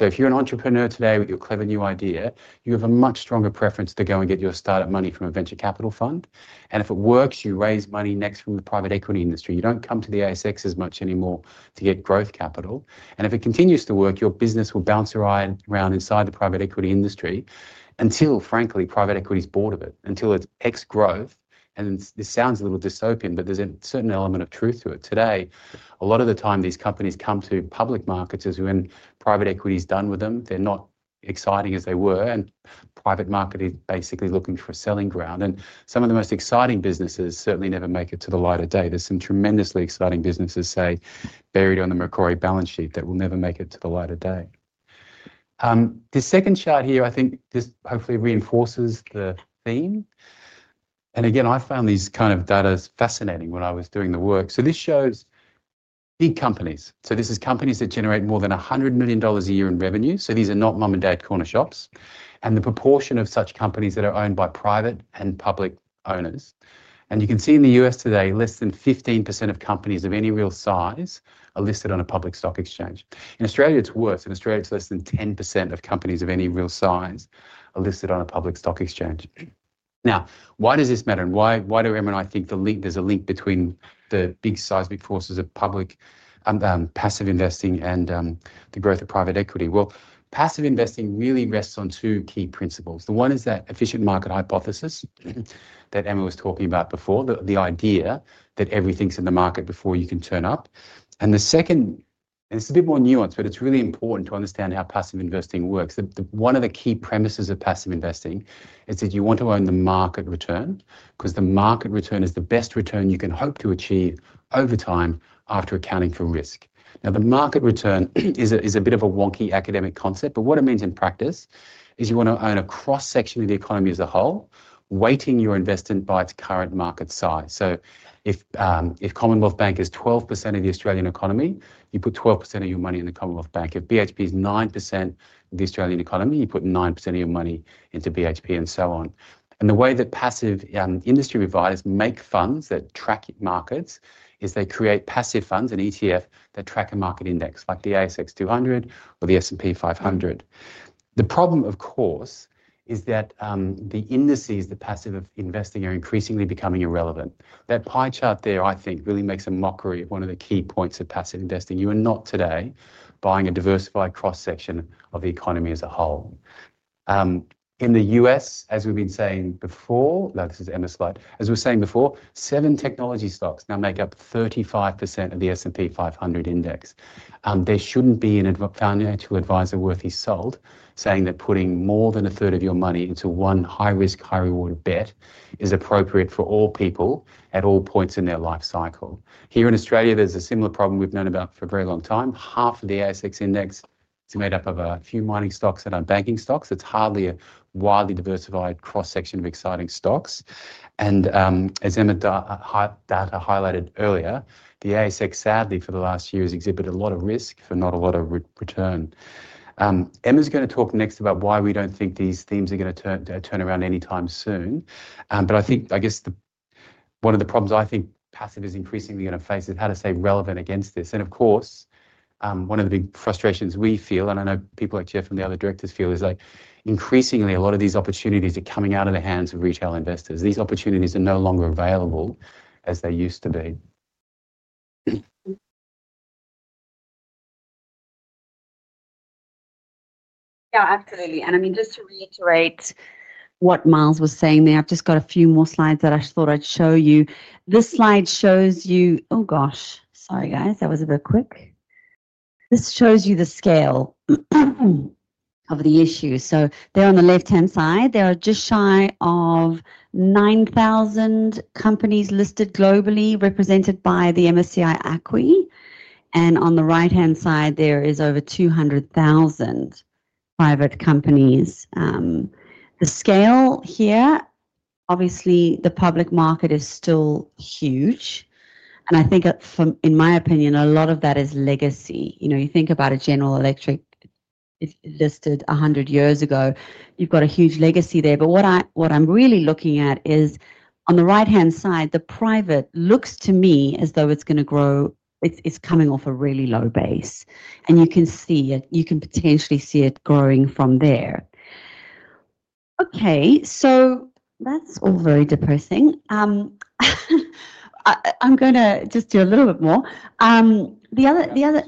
If you are an entrepreneur today with your clever new idea, you have a much stronger preference to go and get your startup money from a venture capital fund. If it works, you raise money next from the private equity industry. You do not come to the ASX as much anymore to get growth capital. If it continues to work, your business will bounce around inside the private equity industry until frankly, private equity is bored of it, until it is ex-growth. This sounds a little dystopian, but there is a certain element of truth to it. Today, a lot of the time, these companies come to public markets when private equity is done with them. They are not as exciting as they were. Private market is basically looking for selling ground. Some of the most exciting businesses certainly never make it to the light of day. There are some tremendously exciting businesses say, buried on the Macquarie balance sheet that will never make it to the light of day. The second chart here, I think hopefully reinforces the theme. Again, I found these kind of data fascinating when I was doing the work. This shows big companies. This is companies that generate more than $100 million a year in revenue. These are not mom-and-dad corner shops. The proportion of such companies that are owned by private and public owners. You can see in the U.S. today, less than 15% of companies of any real size are listed on a public stock exchange. In Australia, it's worse. In Australia, it is less than 10% of companies of any real size that are listed on a public stock exchange. Why does this matter? Why do Emma and I think there is a link between the big seismic forces of public passive investing and the growth of private equity? Passive investing really rests on two key principles. The one is that Efficient Market Hypothesis that Emma was talking about before, the idea that everything's in the market before you can turn up. The second, and it's a bit more nuanced, but it's really important to understand how passive investing works. One of the key premises of passive investing is that you want to own the market return, because the market return is the best return you can hope to achieve over time after accounting for risk. Now, the market return is a bit of a wonky academic concept, but what it means in practice is you want to own a cross-section of the economy as a whole, weighting your investment by its current market size. If Commonwealth Bank is 12% of the Australian economy, you put 12% of your money in Commonwealth Bank. If BHP is 9% of the Australian economy, you put 9% of your money into BHP and so on. The way that passive industry providers make funds that track markets is they create passive funds, an ETF that tracks a market index like the ASX 200 or the S&P 500. The problem of course, is that the indices that passive investing are increasingly becoming irrelevant. That pie chart there I think really makes a mockery of one of the key points of passive investing. You are not today buying a diversified cross-section of the economy as a whole. In the U.S., as we've been saying before, now this is Emma's slide, as we're saying before, seven technology stocks now make up 35% of the S&P 500 index. There shouldn't be any financial advisor worthy sold ,saying that putting more than 1/3 of your money into one high-risk, high-reward bet is appropriate for all people at all points in their life cycle. Here in Australia, there's a similar problem we've known about for a very long time. Half of the ASX index is made up of a few mining stocks and our banking stocks. It's hardly a widely diversified cross-section of exciting stocks. As Emma highlighted earlier, the ASX, sadly for the last year has exhibited a lot of risk for not a lot of return. Emma's going to talk next about why we don't think these themes are going to turn around anytime soon. I think one of the problems I think passive is increasingly going to face, is how to stay relevant against this. Of course, one of the big frustrations we feel, and I know people like Geoff and the other directors feel, is that increasingly, a lot of these opportunities are coming out of the hands of retail investors. These opportunities are no longer available as they used to be. Yeah, absolutely. I mean, just to reiterate what Miles was saying there, I've just got a few more slides that I thought I'd show you. Oh gosh, sorry guys, that was a bit quick. This shows you the scale of the issue. There on the left-hand side, there are just shy of 9,000 companies listed globally represented by the MSCI ACWI. On the right-hand side, there is over 200,000 private companies. The scale here, obviously the public market is still huge. I think in my opinion, a lot of that is legacy. You think about a General Electric listed 100 years ago, you've got a huge legacy there. What I'm really looking at is, on the right-hand side, the private looks to me as though it's going to grow, it's coming off a really low base. You can see it, you can potentially see it growing from there. Okay, so that's all very depressing. I'm going to just do a little bit more. Yeah,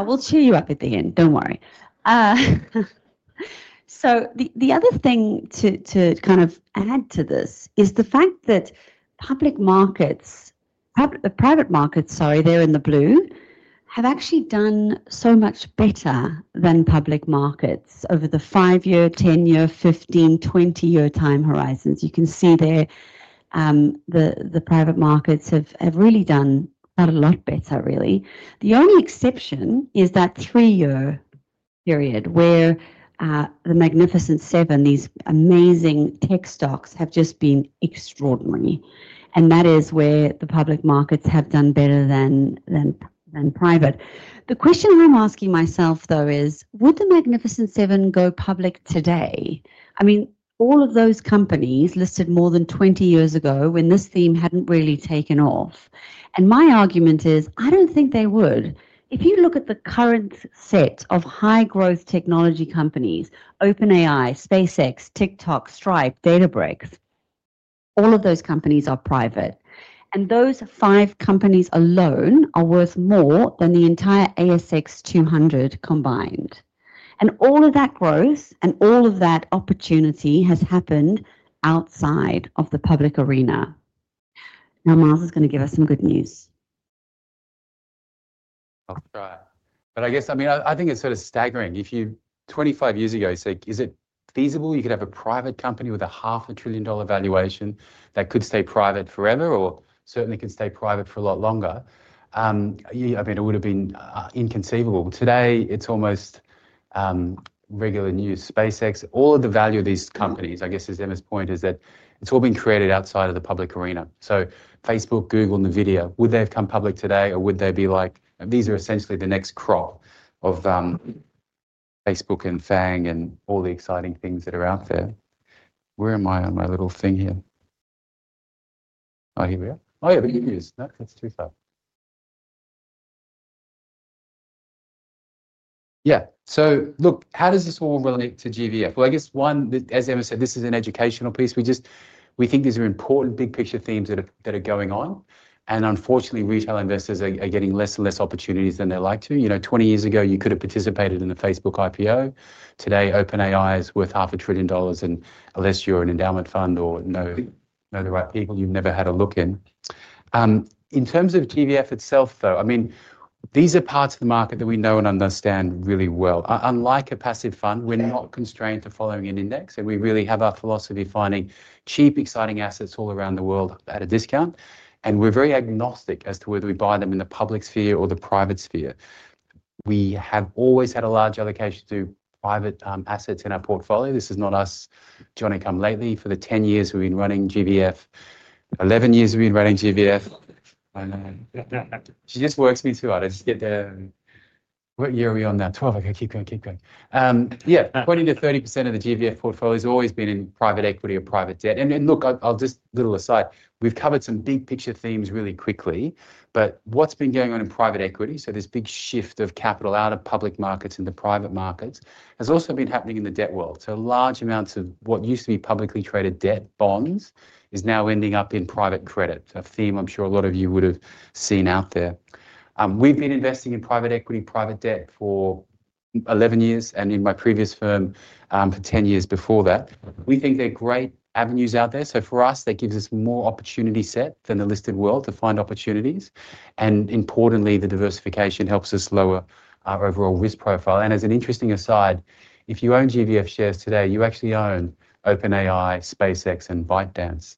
we'll cheer you up at the end. Don't worry. The other thing to kind of add to this is the fact that the private markets, they're in the blue, have actually done so much better than public markets over the five-year, 10-year, 15, 20-year time horizons. You can see there the private markets have really done quite a lot better, really. The only exception is that three-year period, where the Magnificent Seven, these amazing tech stocks, have just been extraordinary. That is where the public markets have done better than private. The question I'm asking myself though is, would the Magnificent Seven go public today? I mean, all of those companies listed more than 20 years ago when this theme hadn't really taken off. My argument is, I don't think they would. If you look at the current set of high-growth technology companies, OpenAI, SpaceX, TikTok, Stripe, Databricks, all of those companies are private. Those five companies alone are worth more than the entire ASX 200 combined. All of that growth and all of that opportunity has happened outside of the public arena. Now, Miles is going to give us some good news. I'll try. I mean, I think it's sort of staggering. 25 years ago, you say, is it feasible you could have a private company with a half-a-trillion-dollar valuation that could stay private forever or certainly could stay private for a lot longer? I mean, it would have been inconceivable. Today, it's almost regular news. SpaceX, all of the value of these companies, I guess is Emma's point, is that it's all been created outside of the public arena. Facebook, Google, NVIDIA, would they have come public today or would they be like, these are essentially the next crop of Facebook and FAANG, and all the exciting things that are out there? Where am I on my little thing here? Oh, here we are. Oh, yeah, but here it is. No, that's too far. Yeah. Look, how does this all relate to GVF? I guess one, as Emma said, this is an educational piece. We think these are important big-picture themes that are going on. Unfortunately, retail investors are getting less and less opportunities than they'd like to. 20 years ago, you could have participated in the Facebook IPO. Today, OpenAI is worth $500 trillion, unless you're an endowment fund or know the right people you've never had a look in. In terms of GVF itself though, I mean, these are parts of the market that we know and understand really well. Unlike a passive fund, we're not constrained to following an index. We really have our philosophy of finding cheap, exciting assets all around the world at a discount. We're very agnostic as to whether we buy them in the public sphere or the private sphere. We have always had a large allocation to private assets in our portfolio. This is not us joining, come lately. For the 11 years we've been running GVF, she just ,works me too. I just get there]. What year are we on now? 12. Okay, keep going, keep going. Yeah, 20%-30% of the GVF portfolio has always been in private equity or private debt. Look, just little aside, we've covered some big-picture themes really quickly. What's been going on in private equity? This big shift of capital out of public markets into private markets has also been happening in the debt world. Large amounts of what used to be publicly traded debt bonds is now ending up in private credit, a theme I'm sure a lot of you would have seen out there. We've been investing in private equity, private debt for 11 years and in my previous firm for 10 years before that. We think they're great avenues out there. For us, that gives us more opportunity set than the listed world to find opportunities. Importantly, the diversification helps us lower our overall risk profile. As an interesting aside, if you own GVF shares today, you actually own OpenAI, SpaceX, and ByteDance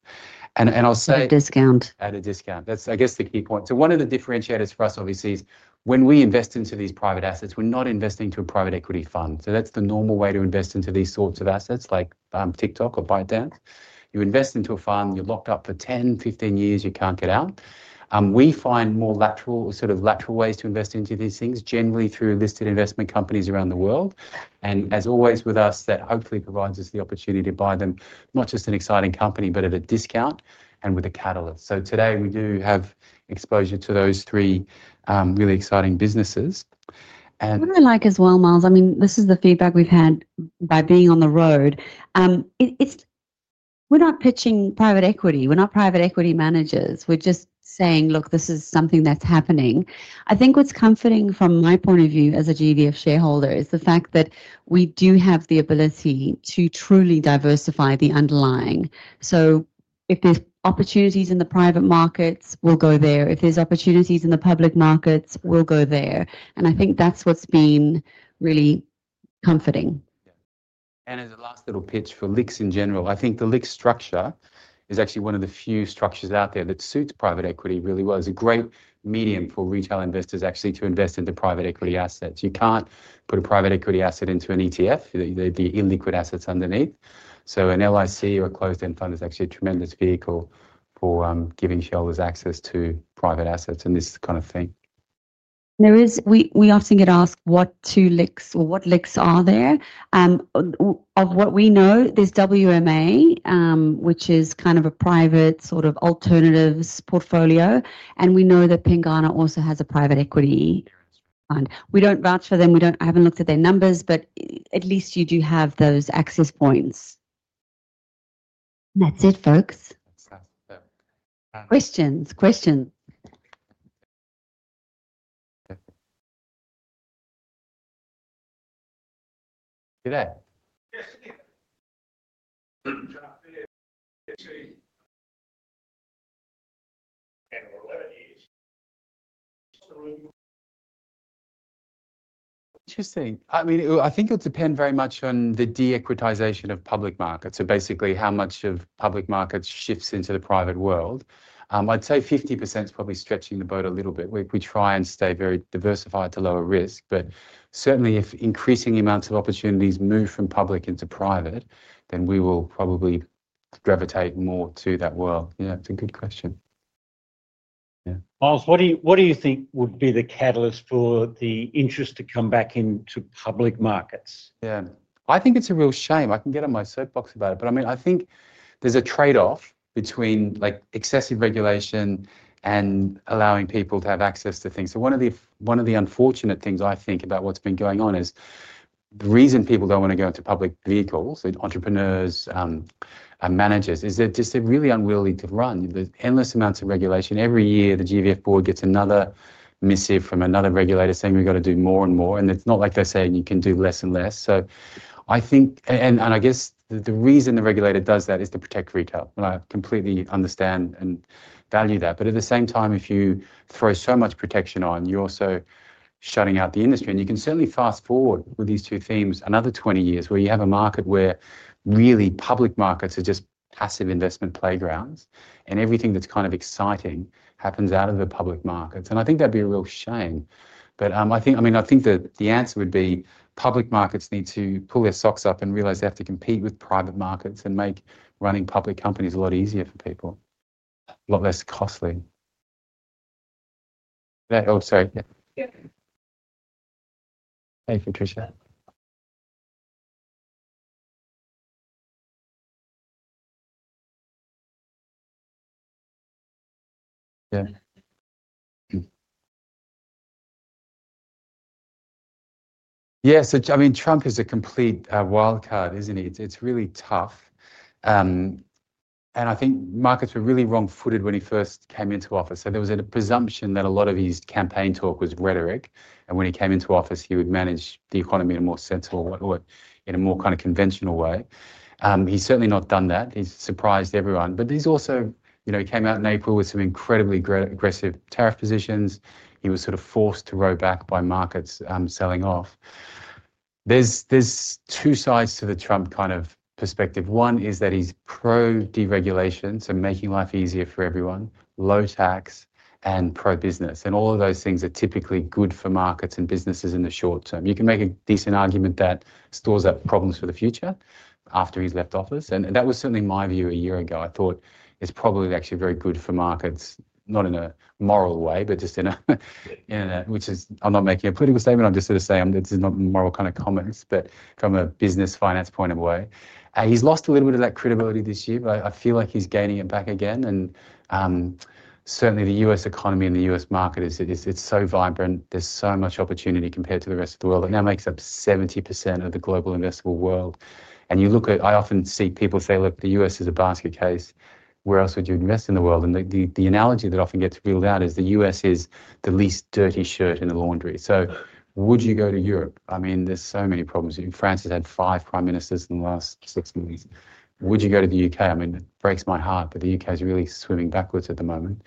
at a discount. At a discount. That's, I guess, the key point. One of the differentiators for us obviously is, when we invest into these private assets, we're not investing into a private equity fund. That's the normal way to invest into these sorts of assets like TikTok or ByteDance. You invest into a fund, you're locked up for 10, 15 years, you can't get out. We find more sort of lateral ways to invest into these things, generally through listed investment companies around the world. As always with us, that hopefully provides us the opportunity to buy them, not just an exciting company, but at a discount and with a catalyst. Today, we do have exposure to those three really exciting businesses. What I like as well, Miles, I mean, this is the feedback we've had by being on the road. We're not pitching private equity. We're not private equity managers. We're just saying, look, this is something that's happening. I think what's comforting from my point of view as a GVF shareholder, is the fact that we do have the ability to truly diversify the underlying. If there's opportunities in the private markets, we'll go there. If there's opportunities in the public markets, we'll go there. I think that's what's been really comforting. Yeah. As a last little pitch for LICs in general, I think the LIC structure is actually one of the few structures out there that suits private equity really well. It is a great medium for retail investors actually to invest into private equity assets. You cannot put a private equity asset into an ETF. They would be illiquid assets underneath. An LIC or a closed-end fund is actually a tremendous vehicle for giving shareholders access to private assets and this kind of thing. We often get asked what two LICs, or what LICs are there? Of what we know, there is WAM, which is kind of a private sort of alternatives portfolio. We know that Pengana also has a private equity fund. We do not vouch for them. I have not looked at their numbers, but at least you do have those access points. That is it, folks. Questions, questions. today. Interesting. I mean, I think it would depend very much on the de-equitization of public markets, so basically, how much of public markets shifts into the private world. I'd say 50% is probably stretching the boat a little bit. We try and stay very diversified to lower risk. Certainly, if increasing amounts of opportunities move from public into private, then we will probably gravitate more to that world. Yeah, that's a good question. Miles, what do you think would be the catalyst for the interest to come back into public markets? Yeah. I think it's a real shame. I can get on my soapbox about it. I mean, I think there's a trade-off between excessive regulation and allowing people to have access to things. One of the unfortunate things I think about what's been going on is, the reason people don't want to go into public vehicles, entrepreneurs and managers, is they're just really unwilling to run. There's endless amounts of regulation. Every year, the GVF board gets another missive from another regulator saying we've got to do more and more. It's not like they're saying you can do less and less. I guess the reason the regulator does that is to protect retail. I completely understand and value that. At the same time, if you throw so much protection on, you're also shutting out the industry. You can certainly fast forward with these two themes another 20 years, where you have a market where really public markets are just passive investment playground and everything that's kind of exciting happens out of the public markets. I think that'd be a real shame. I think, I mean, I think that the answer would be public markets need to pull their socks up and realize they have to compete with private markets and make running public companies a lot easier for people, a lot less costly. Oh, sorry. Yeah. Hey, Patricia. Yeah. I mean, Trump is a complete wildcard, isn't he? It's really tough. I think Marcos was really wrong-footed when he first came into office. There was a presumption that a lot of his campaign talk was rhetoric. When he came into office, he would manage the economy in a more sensible way, in a more kind of conventional way. He's certainly not done that. He's surprised everyone. He came out in April with some incredibly aggressive tariff positions. He was sort of forced to row back by markets selling off. There are two sides to the Trump kind of perspective. One is that he is pro-deregulation, so making life easier for everyone, low tax, and pro-business. All of those things are typically good for markets and businesses in the short term. You can make a decent argument that stores up problems for the future after he has left office. That was certainly my view a year ago. I thought it is probably actually very good for markets, not in a moral way, but I am not making a political statement. I am just going to say this is not moral kind of comments, but from a business finance point of way. He has lost a little bit of that credibility this year, but I feel like he is gaining it back again. Certainly, the U.S. economy and the U.S. market, it's so vibrant. There's so much opportunity compared to the rest of the world. It now makes up 70% of the global investable world. You look at, I often see people say, "Look, the U.S. is a basket case. Where else would you invest in the world?" The analogy that often gets ruled out is the U.S. is the least dirty shirt in the laundry. Would you go to Europe? I mean, there so many problems. France has had five prime ministers in the last six months. Would you go to the U.K.? I mean, it breaks my heart, but the U.K. is really swimming backwards at the moment.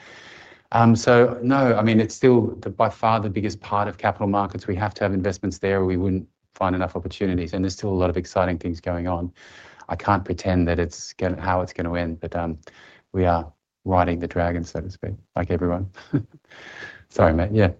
No, I mean, it's still by far the biggest part of capital markets. We have to have investments there. We wouldn't find enough opportunities. There is still a lot of exciting things going on. I cannot pretend that it is how it is going to end, but we are riding the dragon, so to speak, like everyone. Sorry, mate. Yeah.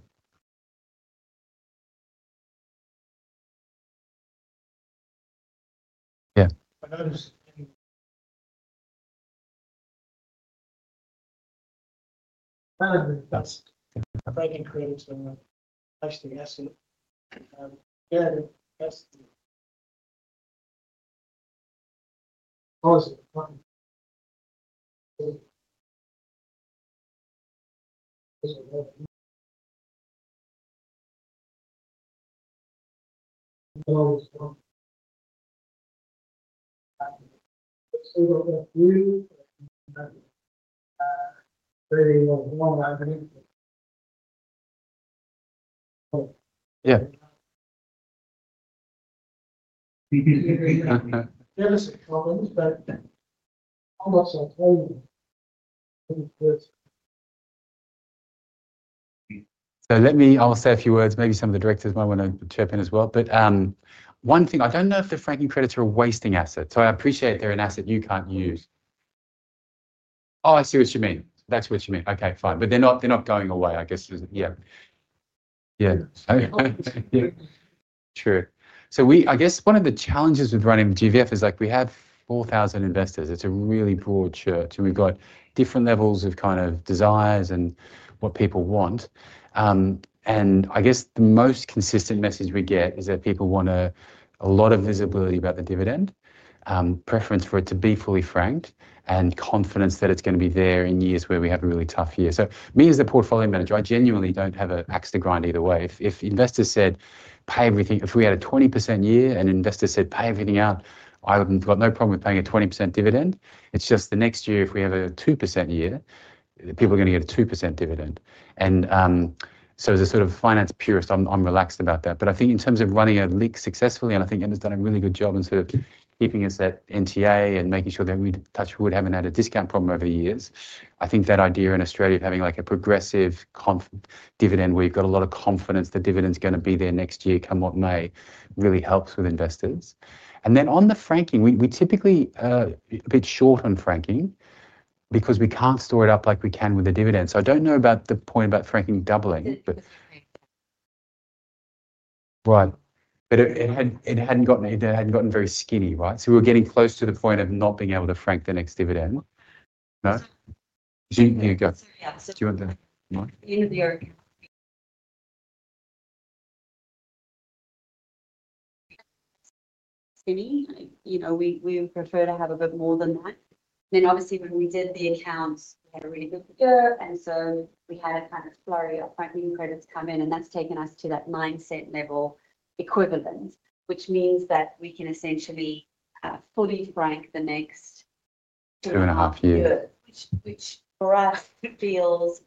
I'll say a few words. Maybe some of the directors might want to chip in as well. One thing, I do not know if the [frankling creditors] are wasting assets. I appreciate they are an asset you cannot use. Oh, I see what you mean. That is what you mean. Okay, fine. They are not going away, I guess. Yeah, true. I guess one of the challenges with running GVF is we have 4,000 investors. It is a really broad [shirt]. We've got different levels of kind of desires and what people want. I guess the most consistent message we get is that people want a lot of visibility about the dividend, preference for it to be fully franked, and confidence that it's going to be there in years where we have a really tough year. Me as a portfolio manager, I genuinely don't have an axe to grind either way. If investors said, "Pay everything," if we had a 20% year and investors said, "Pay everything out," I would have got no problem with paying a 20% dividend. It's just the next year, if we have a 2% year, people are going to get a 2% dividend. As a sort of finance purist, I'm relaxed about that. I think in terms of running a LIC successfully, and I think Emma's done a really good job in sort of keeping us at NTA and making sure that we, touch wood, have not had a discount problem over the years. I think that idea in Australia of having like a progressive dividend where you've got a lot of confidence the dividend's going to be there next year, come what may, really helps with investors. On the franking, we typically are a bit short on franking because we cannot store it up like we can with the dividend. I do not know about the point about franking doubling, but it had not gotten very skinny, right? We were getting close to the point of not being able to frank the next dividend. No? June, here you go. the end of the year. We would prefer to have a bit more than that. Obviously, when we did the accounts, we had a really good year. We had a kind of flurry of franking credits come in, and that has taken us to that AUD 0.09 level equivalent, which means that we can essentially fully frank the next two and a half years. Two and a half years. Which for us feels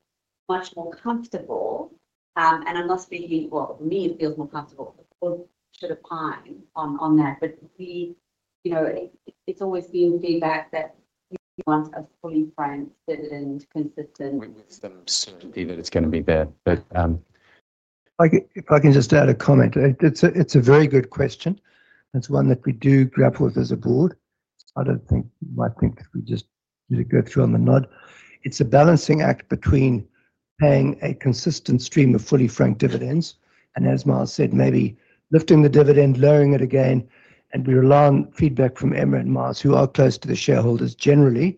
much more comfortable. I am not speaking for me, it feels more comfortable on that. It's always been feedback that we want a fully franked dividend consistent with. Soon to be that it is going to be there. If I can just add a comment, it is a very good question. It is one that we do grapple with as a board. I do not think you might think we just need to go through on the nod. It's a balancing act between paying a consistent stream of fully franked dividends, and as Miles said, maybe lifting the dividend, lowering it again. We rely on feedback from Emma and Miles, who are close to the shareholders generally,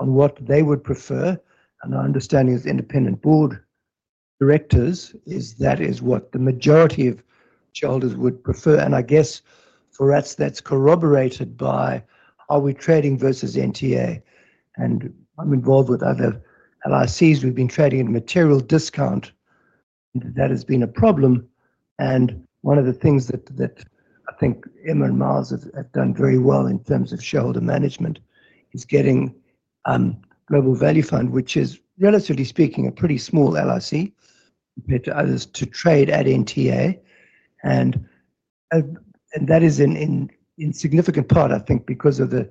on what they would prefer. Our understanding as independent board of directors, is that is what the majority of shareholders would prefer. I guess for us, that's corroborated by how we're trading versus NTA. I'm involved with other LICs. We've been trading at material discount. That has been a problem. One of the things that I think Emma and Miles have done very well in terms of shareholder management is getting Global Value Fund, which is, relatively speaking, a pretty small LIC compared to others, to trade at NTA. That is in significant part, I think because of the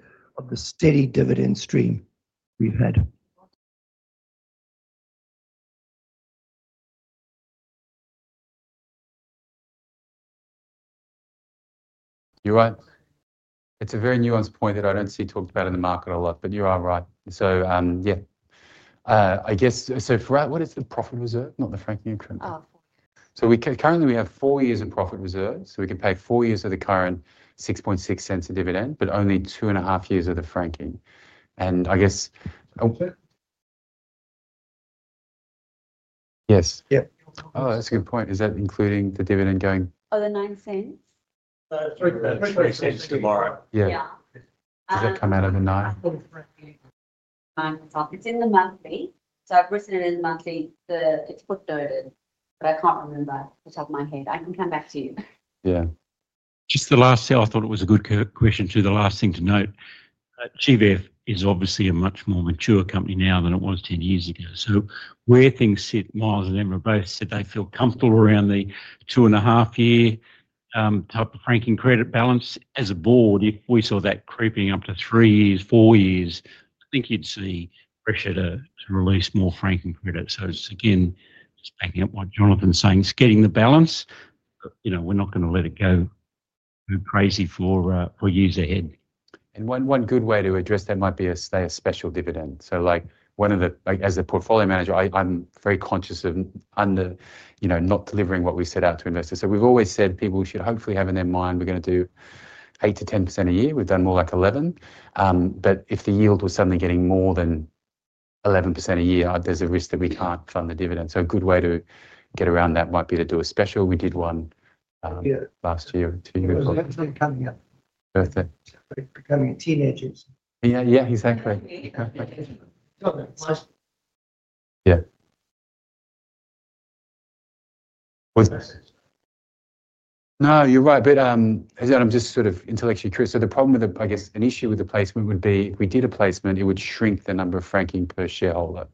steady dividend stream we've had. You're right. It's a very nuanced point that I do not see talked about in the market a lot, but you are right. I guess, for us, what is the profit reserve? Not the franking increment. Currently, we have four years of profit reserve, so we can pay four years of the current $0.066 of dividend, but only two and a half years of the franking. I guess. Yes. Oh, that is a good point. Is that including the dividend going? Oh, the $0.09? tomorrow. Yeah. Does that come out of the $0.09? it is in the monthly. I have written it in the monthly. It is p, but I cannot remember off the top of my head. I can come back to you. Yeah. Just the last thing, I thought it was a good question too. The last thing to note, GVF is obviously a much more mature company now than it was 10 years ago. Where things sit, Miles and Emma both said they feel comfortable around the two and a half year type of franking credit balance. As a board, if we saw that creeping up to three years, four years, I think you'd see pressure to release more franking credit. It's again, just backing up what Jonathan's saying. It's getting the balance. We're not going to let it go crazy for years ahead. One good way to address that might be to say a special dividend. As a portfolio manager, I'm very conscious of not delivering what we set out to investor. We've always said people should hopefully have in their mind we're going to do 8%-10% a year. We've done more like 11. If the yield was suddenly getting more than 11% a year, there's a risk that we can't fund the dividend. A good way to get around that might be to do a special. We did one last year, two years ago.. Becoming teenagers. Yeah. No, you're right. I'm just sort of intellectually curious. I guess, an issue with the placement would be, if we did a placement, it would shrink the number of franking per shareholder.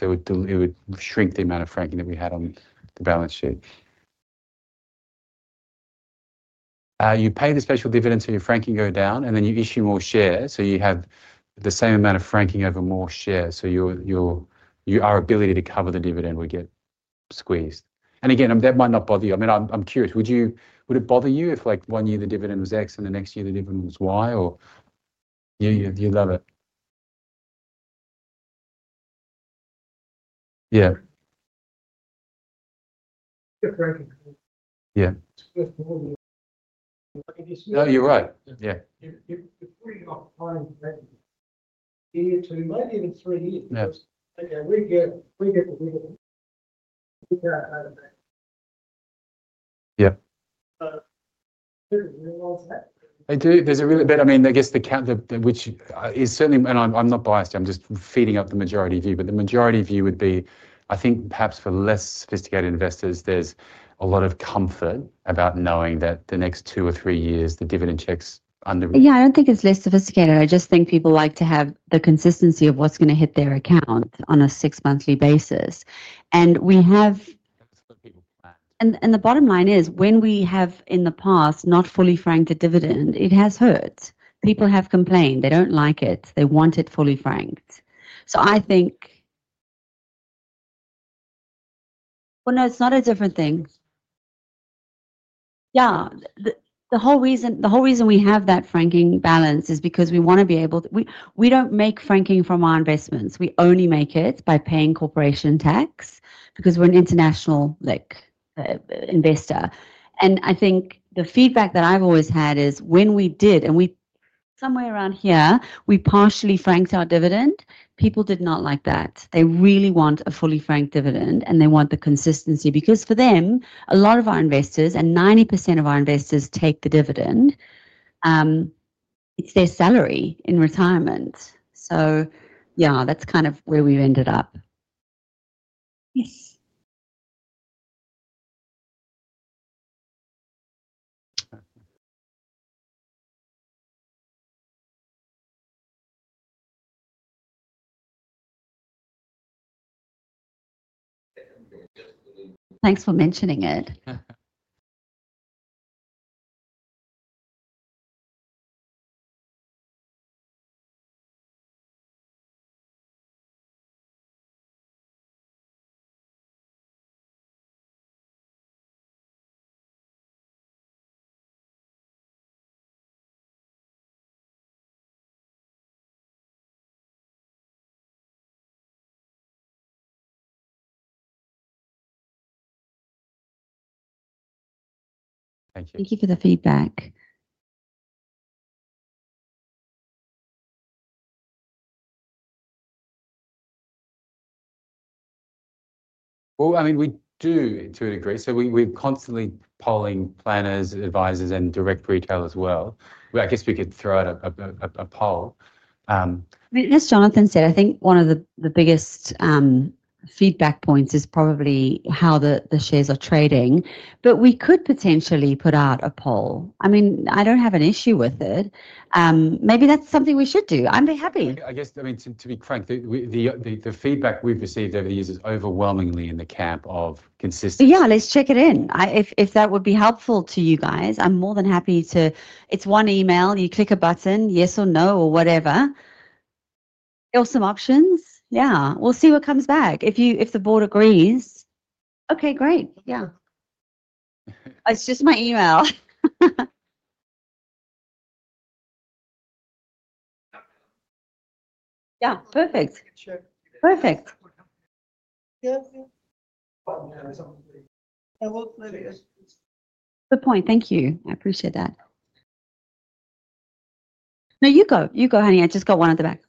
It would shrink the amount of franking that we had on the balance sheet. You pay the special dividend, so your franking goes down, and then you issue more shares. You have the same amount of franking over more shares, so o ability to cover the dividend would get squeezed. Again, that might not bother you. I mean, I'm curious. Would it bother you if one year the dividend was X and the next year the dividend was Y, or you'd love it? Yeah. Yeah. No, you're right. Yeah, I do. There's a really bit, I mean, I guess the count, which is certainly, and I'm not biased, I'm just feeding up the majority of you. The majority of you would be, I think perhaps for less sophisticated investors, there's a lot of comfort about knowing that the next two or three years, the dividend checks under. Yeah. I don't think it's less sophisticated. I just think people like to have the consistency of what's going to hit their account on a six-monthly basis. The bottom line is, when we have in the past not fully franked a dividend, it has hurt. People have complained. They do not like it. They want it fully franked. I think, no, it is not a different thing. Yeah. The whole reason we have that franking balance is because we do not make franking from our investments. We only make it by paying corporation tax because we are an international investor. I think the feedback that I have always had is when we did, and somewhere around here, we partially franked our dividend, people did not like that. They really want a fully franked dividend, and they want the consistency because for them, a lot of our investors, and 90% of our investors take the dividend, it is their salary in retirement. Yeah, that is kind of where we have ended up. Yes. Thanks for mentioning it. Thank you for the feedback. I mean, we do to a degree. We're constantly polling planners, advisors, and direct retail as well. I guess we could throw out a poll. As Jonathan said, I think one of the biggest feedback points is probably how the shares are trading. We could potentially put out a poll. I mean, I don't have an issue with it. Maybe that's something we should do. I'd be happy. I mean, to be frank, the feedback we've received over the years is overwhelmingly in the camp of consistency. Yeah, let's check it in. If that would be helpful to you guys, I'm more than happy to. It's one email. You click a button, yes or no or whatever. There are some options. We'll see what comes back. If the board agrees. Okay, great. It's just my email. Yeah, perfect. Perfect, good point. Thank you. I appreciate that. No, you go. You go, honey. I just got one at the back.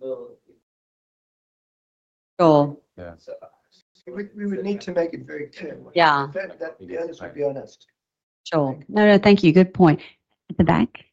Yeah. We would need to make it very clear. the answer should be honest. Sure. No, no, thank you. Good point. At the back.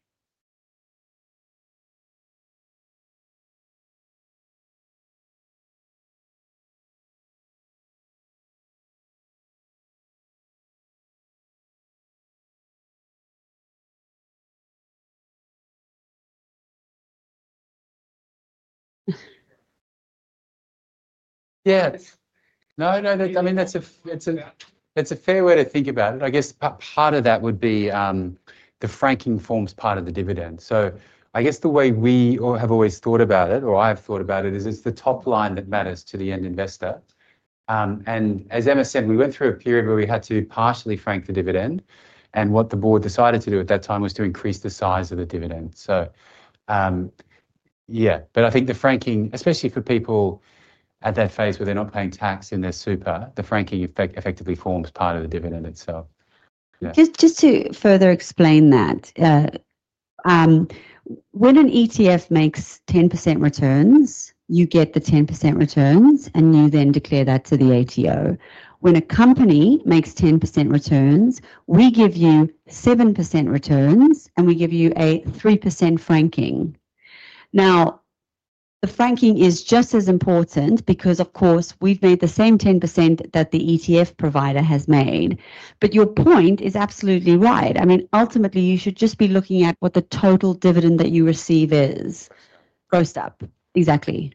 Yeah. No, I mean, that's a fair way to think about it. I guess part of that would be the franking forms part of the dividend. I guess the way we have always thought about it or I have thought about it, is it's the top line that matters to the end investor. As Emma said, we went through a period where we had to partially frank the dividend. What the board decided to do at that time was to increase the size of the dividend. Yeah. I think the franking, especially for people at that phase where they're not paying tax in their [super], the franking effectively forms part of the dividend itself. Just to further explain that, when an ETF makes 10% returns, you get the 10% returns, and you then declare that to the ATO. When a company makes 10% returns, we give you 7% returns, and we give you a 3% franking. Now, the franking is just as important because of course, we've made the same 10% that the ETF provider has made. Your point is absolutely right. I mean, ultimately, you should just be looking at what the total dividend that you receive is grossed up. Exactly.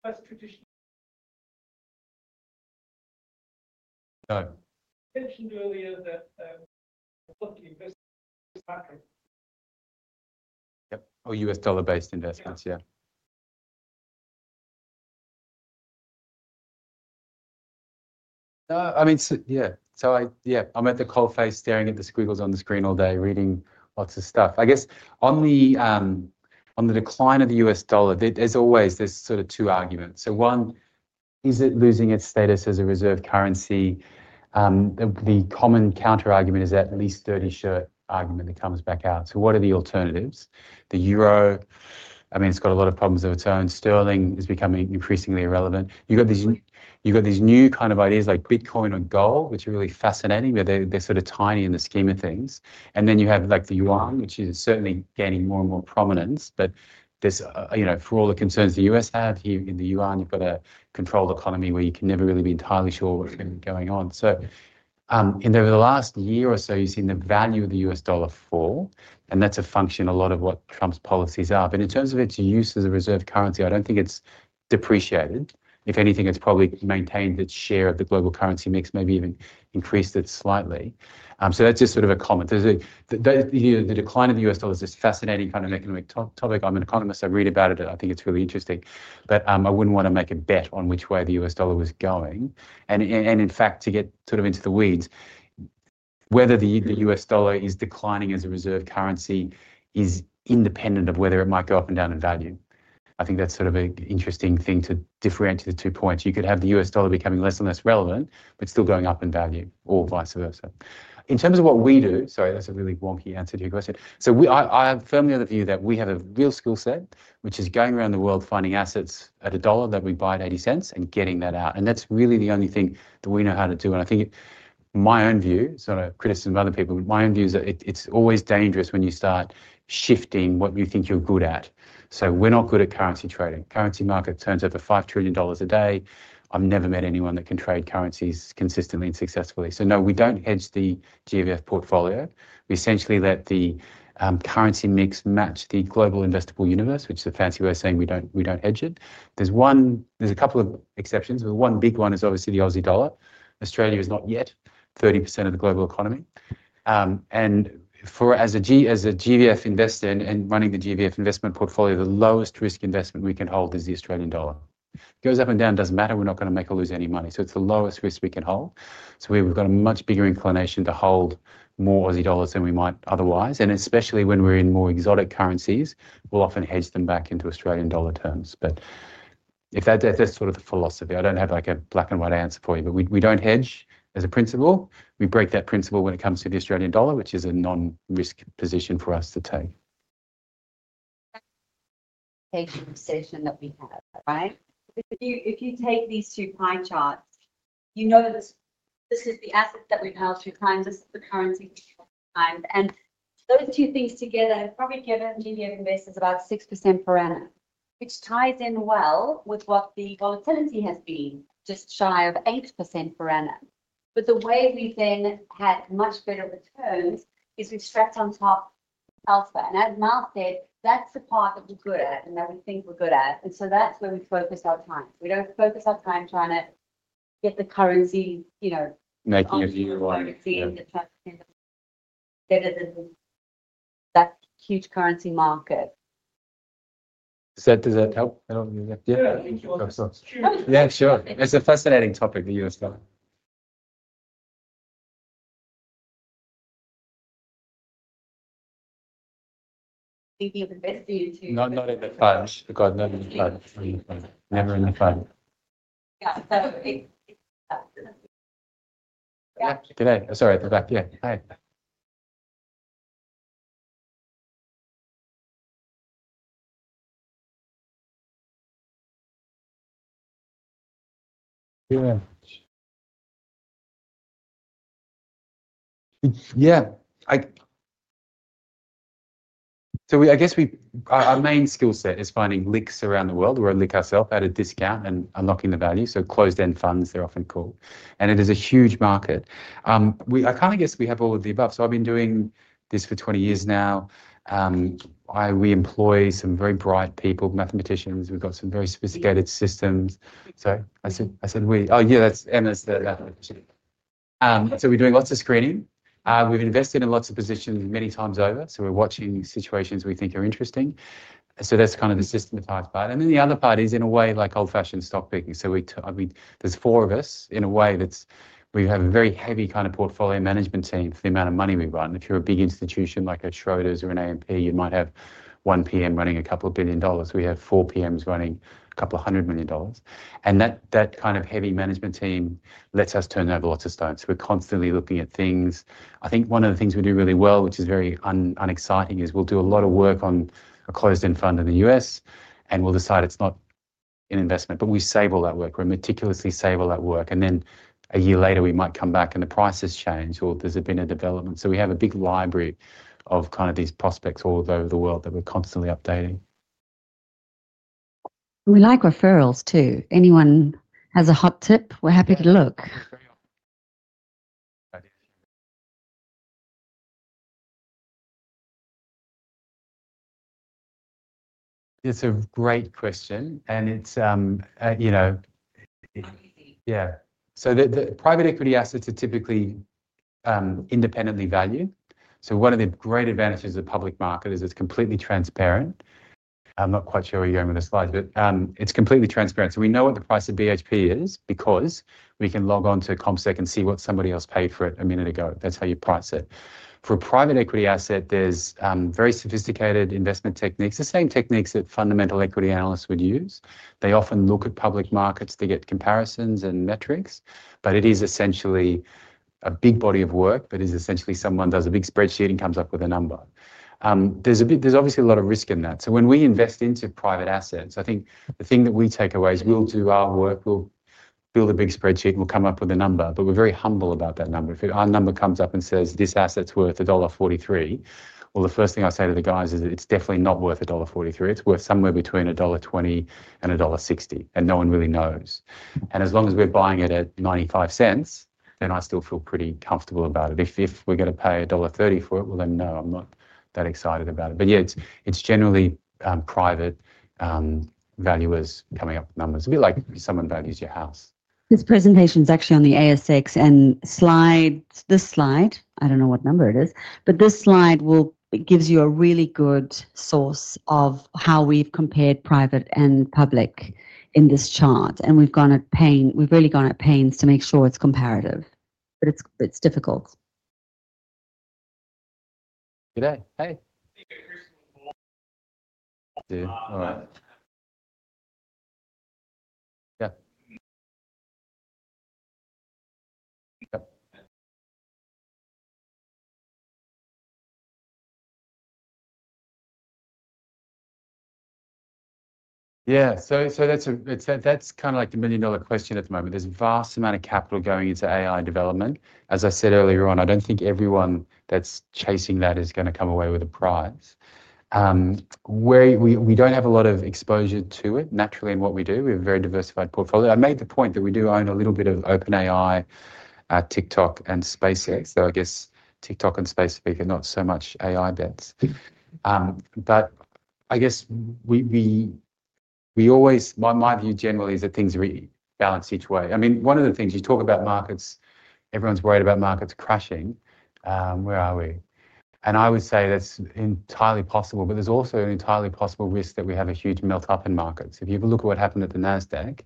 mentioned earlier looking at investments. Yep, or U.S. dollar-based investments, yeah. I mean, yeah. I'm at the coalface staring at the squiggles on the screen all day, reading lots of stuff. I guess on the decline of the U.S. dollar, there's always these sort of two arguments. One, is it losing its status as a reserve currency? The common counterargument is that least 30 shirt argument that comes back out. What are the alternatives? The euro, I mean, it's got a lot of problems of its own. Sterling is becoming increasingly irrelevant. You've got these new kind of ideas like Bitcoin and gold, which are really fascinating, but they're sort of tiny in the scheme of things. You have the yuan, which is certainly gaining more and more prominence. For all the concerns the U.S. had in the yuan, you've got a controlled economy where you can never really be entirely sure what's going on. Over the last year or so, you've seen the value of the U.S. dollar fall. That's a function of a lot of what Trump's policies are. In terms of its use as a reserve currency, I don't think it's depreciated. If anything, it's probably maintained its share of the global currency mix, maybe even increased it slightly. That's just sort of a comment. The decline of the U.S. dollar is this fascinating kind of economic topic. I'm an economist. I read about it. I think it's really interesting. I wouldn't want to make a bet on which way the U.S. dollar was going. In fact, to get sort of into the weeds, whether the U.S. dollar is declining as a reserve currency is independent of whether it might go up and down in value. I think that's sort of an interesting thing to differentiate the two points. You could have the U.S. dollar becoming less and less relevant, but still going up in value or vice versa. In terms of what we do, sorry, that's a really wonky answer to your question, I firmly have the view that we have a real skill set, which is going around the world finding assets at a dollar that we buy at 0.08 and getting that out. That's really the only thing that we know how to do. I think my own view, sort of criticism of other people, my own view is that it's always dangerous when you start shifting what you think you're good at. We're not good at currency trading. Currency market turns over $5 trillion a day. I've never met anyone that can trade currencies consistently and successfully. No, we do not hedge the GVF portfolio. We essentially let the currency mix match the global investable universe, which is a fancy way of saying we do not hedge it. There are a couple of exceptions. One big one is obviously the Aussie dollar. Australia is not yet 30% of the global economy. As a GVF investor and running the GVF investment portfolio, the lowest risk investment we can hold is the Australian dollar. It goes up and down, does not matter. We are not going to make or lose any money. It is the lowest risk we can hold. We have a much bigger inclination to hold more Aussie dollars than we might otherwise. Especially when we are in more exotic currencies, we will often hedge them back into Australian dollar terms. That is sort of the philosophy. I do not have a black and white answer for you. We do not hedge as a principle. We break that principle when it comes to the Australian dollar, which is a non-risk position for us to take. session that we have, right? If you take these two pie charts, you know that this is the asset that we have held through time. This is the currency we have held through time. Those two things together have probably given media investors about 6% per annum, which ties in well with what the volatility has been, just shy of 8% per annum. The way we then had much better returns, is we. As Miles said, that is the part that we are good at and that we think we are good at. That is where we focus our time. We do not focus our time trying to get the currency. Making a view on. better than that huge currency market. Does that help? Yeah, sure. It's a fascinating topic, the U.S. dollar. Not in the. Never in the fund, yeah. The back. Yeah. sorry, at the back. Yeah, go ahead. Yeah. I guess our main skill set is finding LICs around the world. We're a LIC ourselves at a discount and unlocking the value. Closed-end funds, they're often called. It is a huge market. I kind of guess we have all of the above. I've been doing this for 20 years now. We employ some very bright people, mathematicians. We've got some very sophisticated systems. Emma said that. We're doing lots of screening. We've invested in lots of positions many times over. We're watching situations we think are interesting. That's kind of the systematized part. The other part is in a way like old-fashioned stock picking. There are four of us in a way, that we have a very heavy kind of portfolio management team for the amount of money we run. If you're a big institution like a Schroders or an AMP, you might have one PM running a couple of billion dollars. We have four PMs running a couple of hundred million dollars. That kind of heavy management team lets us turn over lots of stones. We're constantly looking at things. I think one of the things we do really well, which is very unexciting, is we'll do a lot of work on a closed-end fund in the U.S. and we'll decide it's not an investment. We save all that work. We're meticulously saving all that work. A year later, we might come back and the price has changed or there's been a development. We have a big library of kind of these prospects all over the world that we're constantly updating. We like referrals too. Anyone has a hot tip, we're happy to look. It's a great question, yeah. Private equity assets are typically independently valued. One of the great advantages of public market is it's completely transparent. I'm not quite sure where you're going with the slides, but it's completely transparent. We know what the price of BHP is because we can log on to CommSec and see what somebody else paid for it a minute ago. That's how you price it. For a private equity asset, there are very sophisticated investment techniques. The same techniques that fundamental equity analysts would use. They often look at public markets to get comparisons and metrics. It is essentially a big body of work that is essentially, someone does a big spreadsheet and comes up with a number. There is obviously a lot of risk in that. When we invest into private assets, I think the thing that we take away is we'll do our work. We'll build a big spreadsheet and we'll come up with a number. We're very humble about that number. If our number comes up and says, "This asset's worth $1.43," the first thing I say to the guys is, "It's definitely not worth $1.43. It's worth somewhere between $1.20 and $1.60." No one really knows. As long as we're buying it at $0.95, then I still feel pretty comfortable about it. If we're going to pay dollar 1.30 for it, no, I'm not that excited about it. Yeah, it's generally private valuers coming up with numbers, a bit like someone values your house. This presentation is actually on the ASX. This slide, I don't know what number it is, but this slide gives you a really good source of how we've compared private and public in this chart. We've really gone at pains to make sure it's comparative, but it's difficult. Hey. Yeah. That's kind of like the million-dollar question at the moment. There's a vast amount of capital going into AI development. As I said earlier on, I don't think everyone that's chasing that is going to come away with a prize. We don't have a lot of exposure to it naturally in what we do. We have a very diversified portfolio. I made the point that we do own a little bit of OpenAI, TikTok, and SpaceX. I guess TikTok and SpaceX are not so much AI bets. I guess my view generally is that things really balance each way. I mean, one of the things you talk about markets, everyone's worried about markets crashing. Where are we? I would say that's entirely possible. There's also an entirely possible risk that we have a huge melt-up in markets. If you have a look at what happened at the NASDAQ,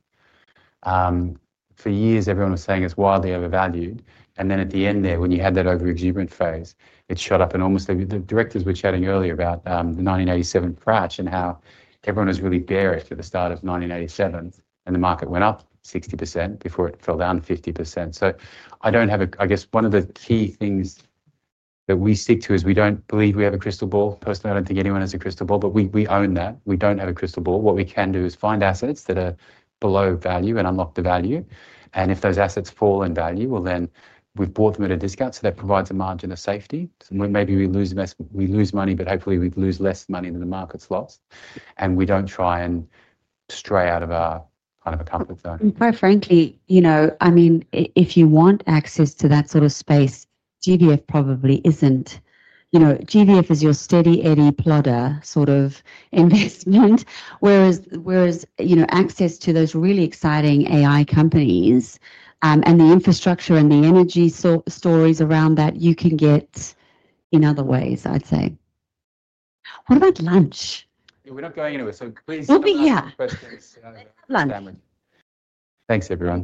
for years, everyone was saying it's wildly overvalued. At the end there, when you had that over-exuberant phase, it shot up. The directors were chatting earlier about the 1987 crash, and how everyone was really bearish at the start of 1987. The market went up 60% before it fell down 50%. I guess, one of the key things that we stick to is we don't believe we have a crystal ball. Personally, I don't think anyone has a crystal ball. We own that. We don't have a crystal ball. What we can do is find assets that are below value and unlock the value. If those assets fall in value, then we've bought them at a discount. That provides a margin of safety. Maybe we lose money, but hopefully we lose less money than the market's lost. We don't try and stray out of our kind of comfort zone. Quite frankly, I mean, if you want access to that sort of space, GVF is your steady, eddy plodder sort of investment. Whereas access to those really exciting AI companies and the infrastructure and the energy stories around that, you can get in other ways, I'd say. What about lunch? We're not going anywhere, so please. We'll be here. lunch. Thanks, everyone.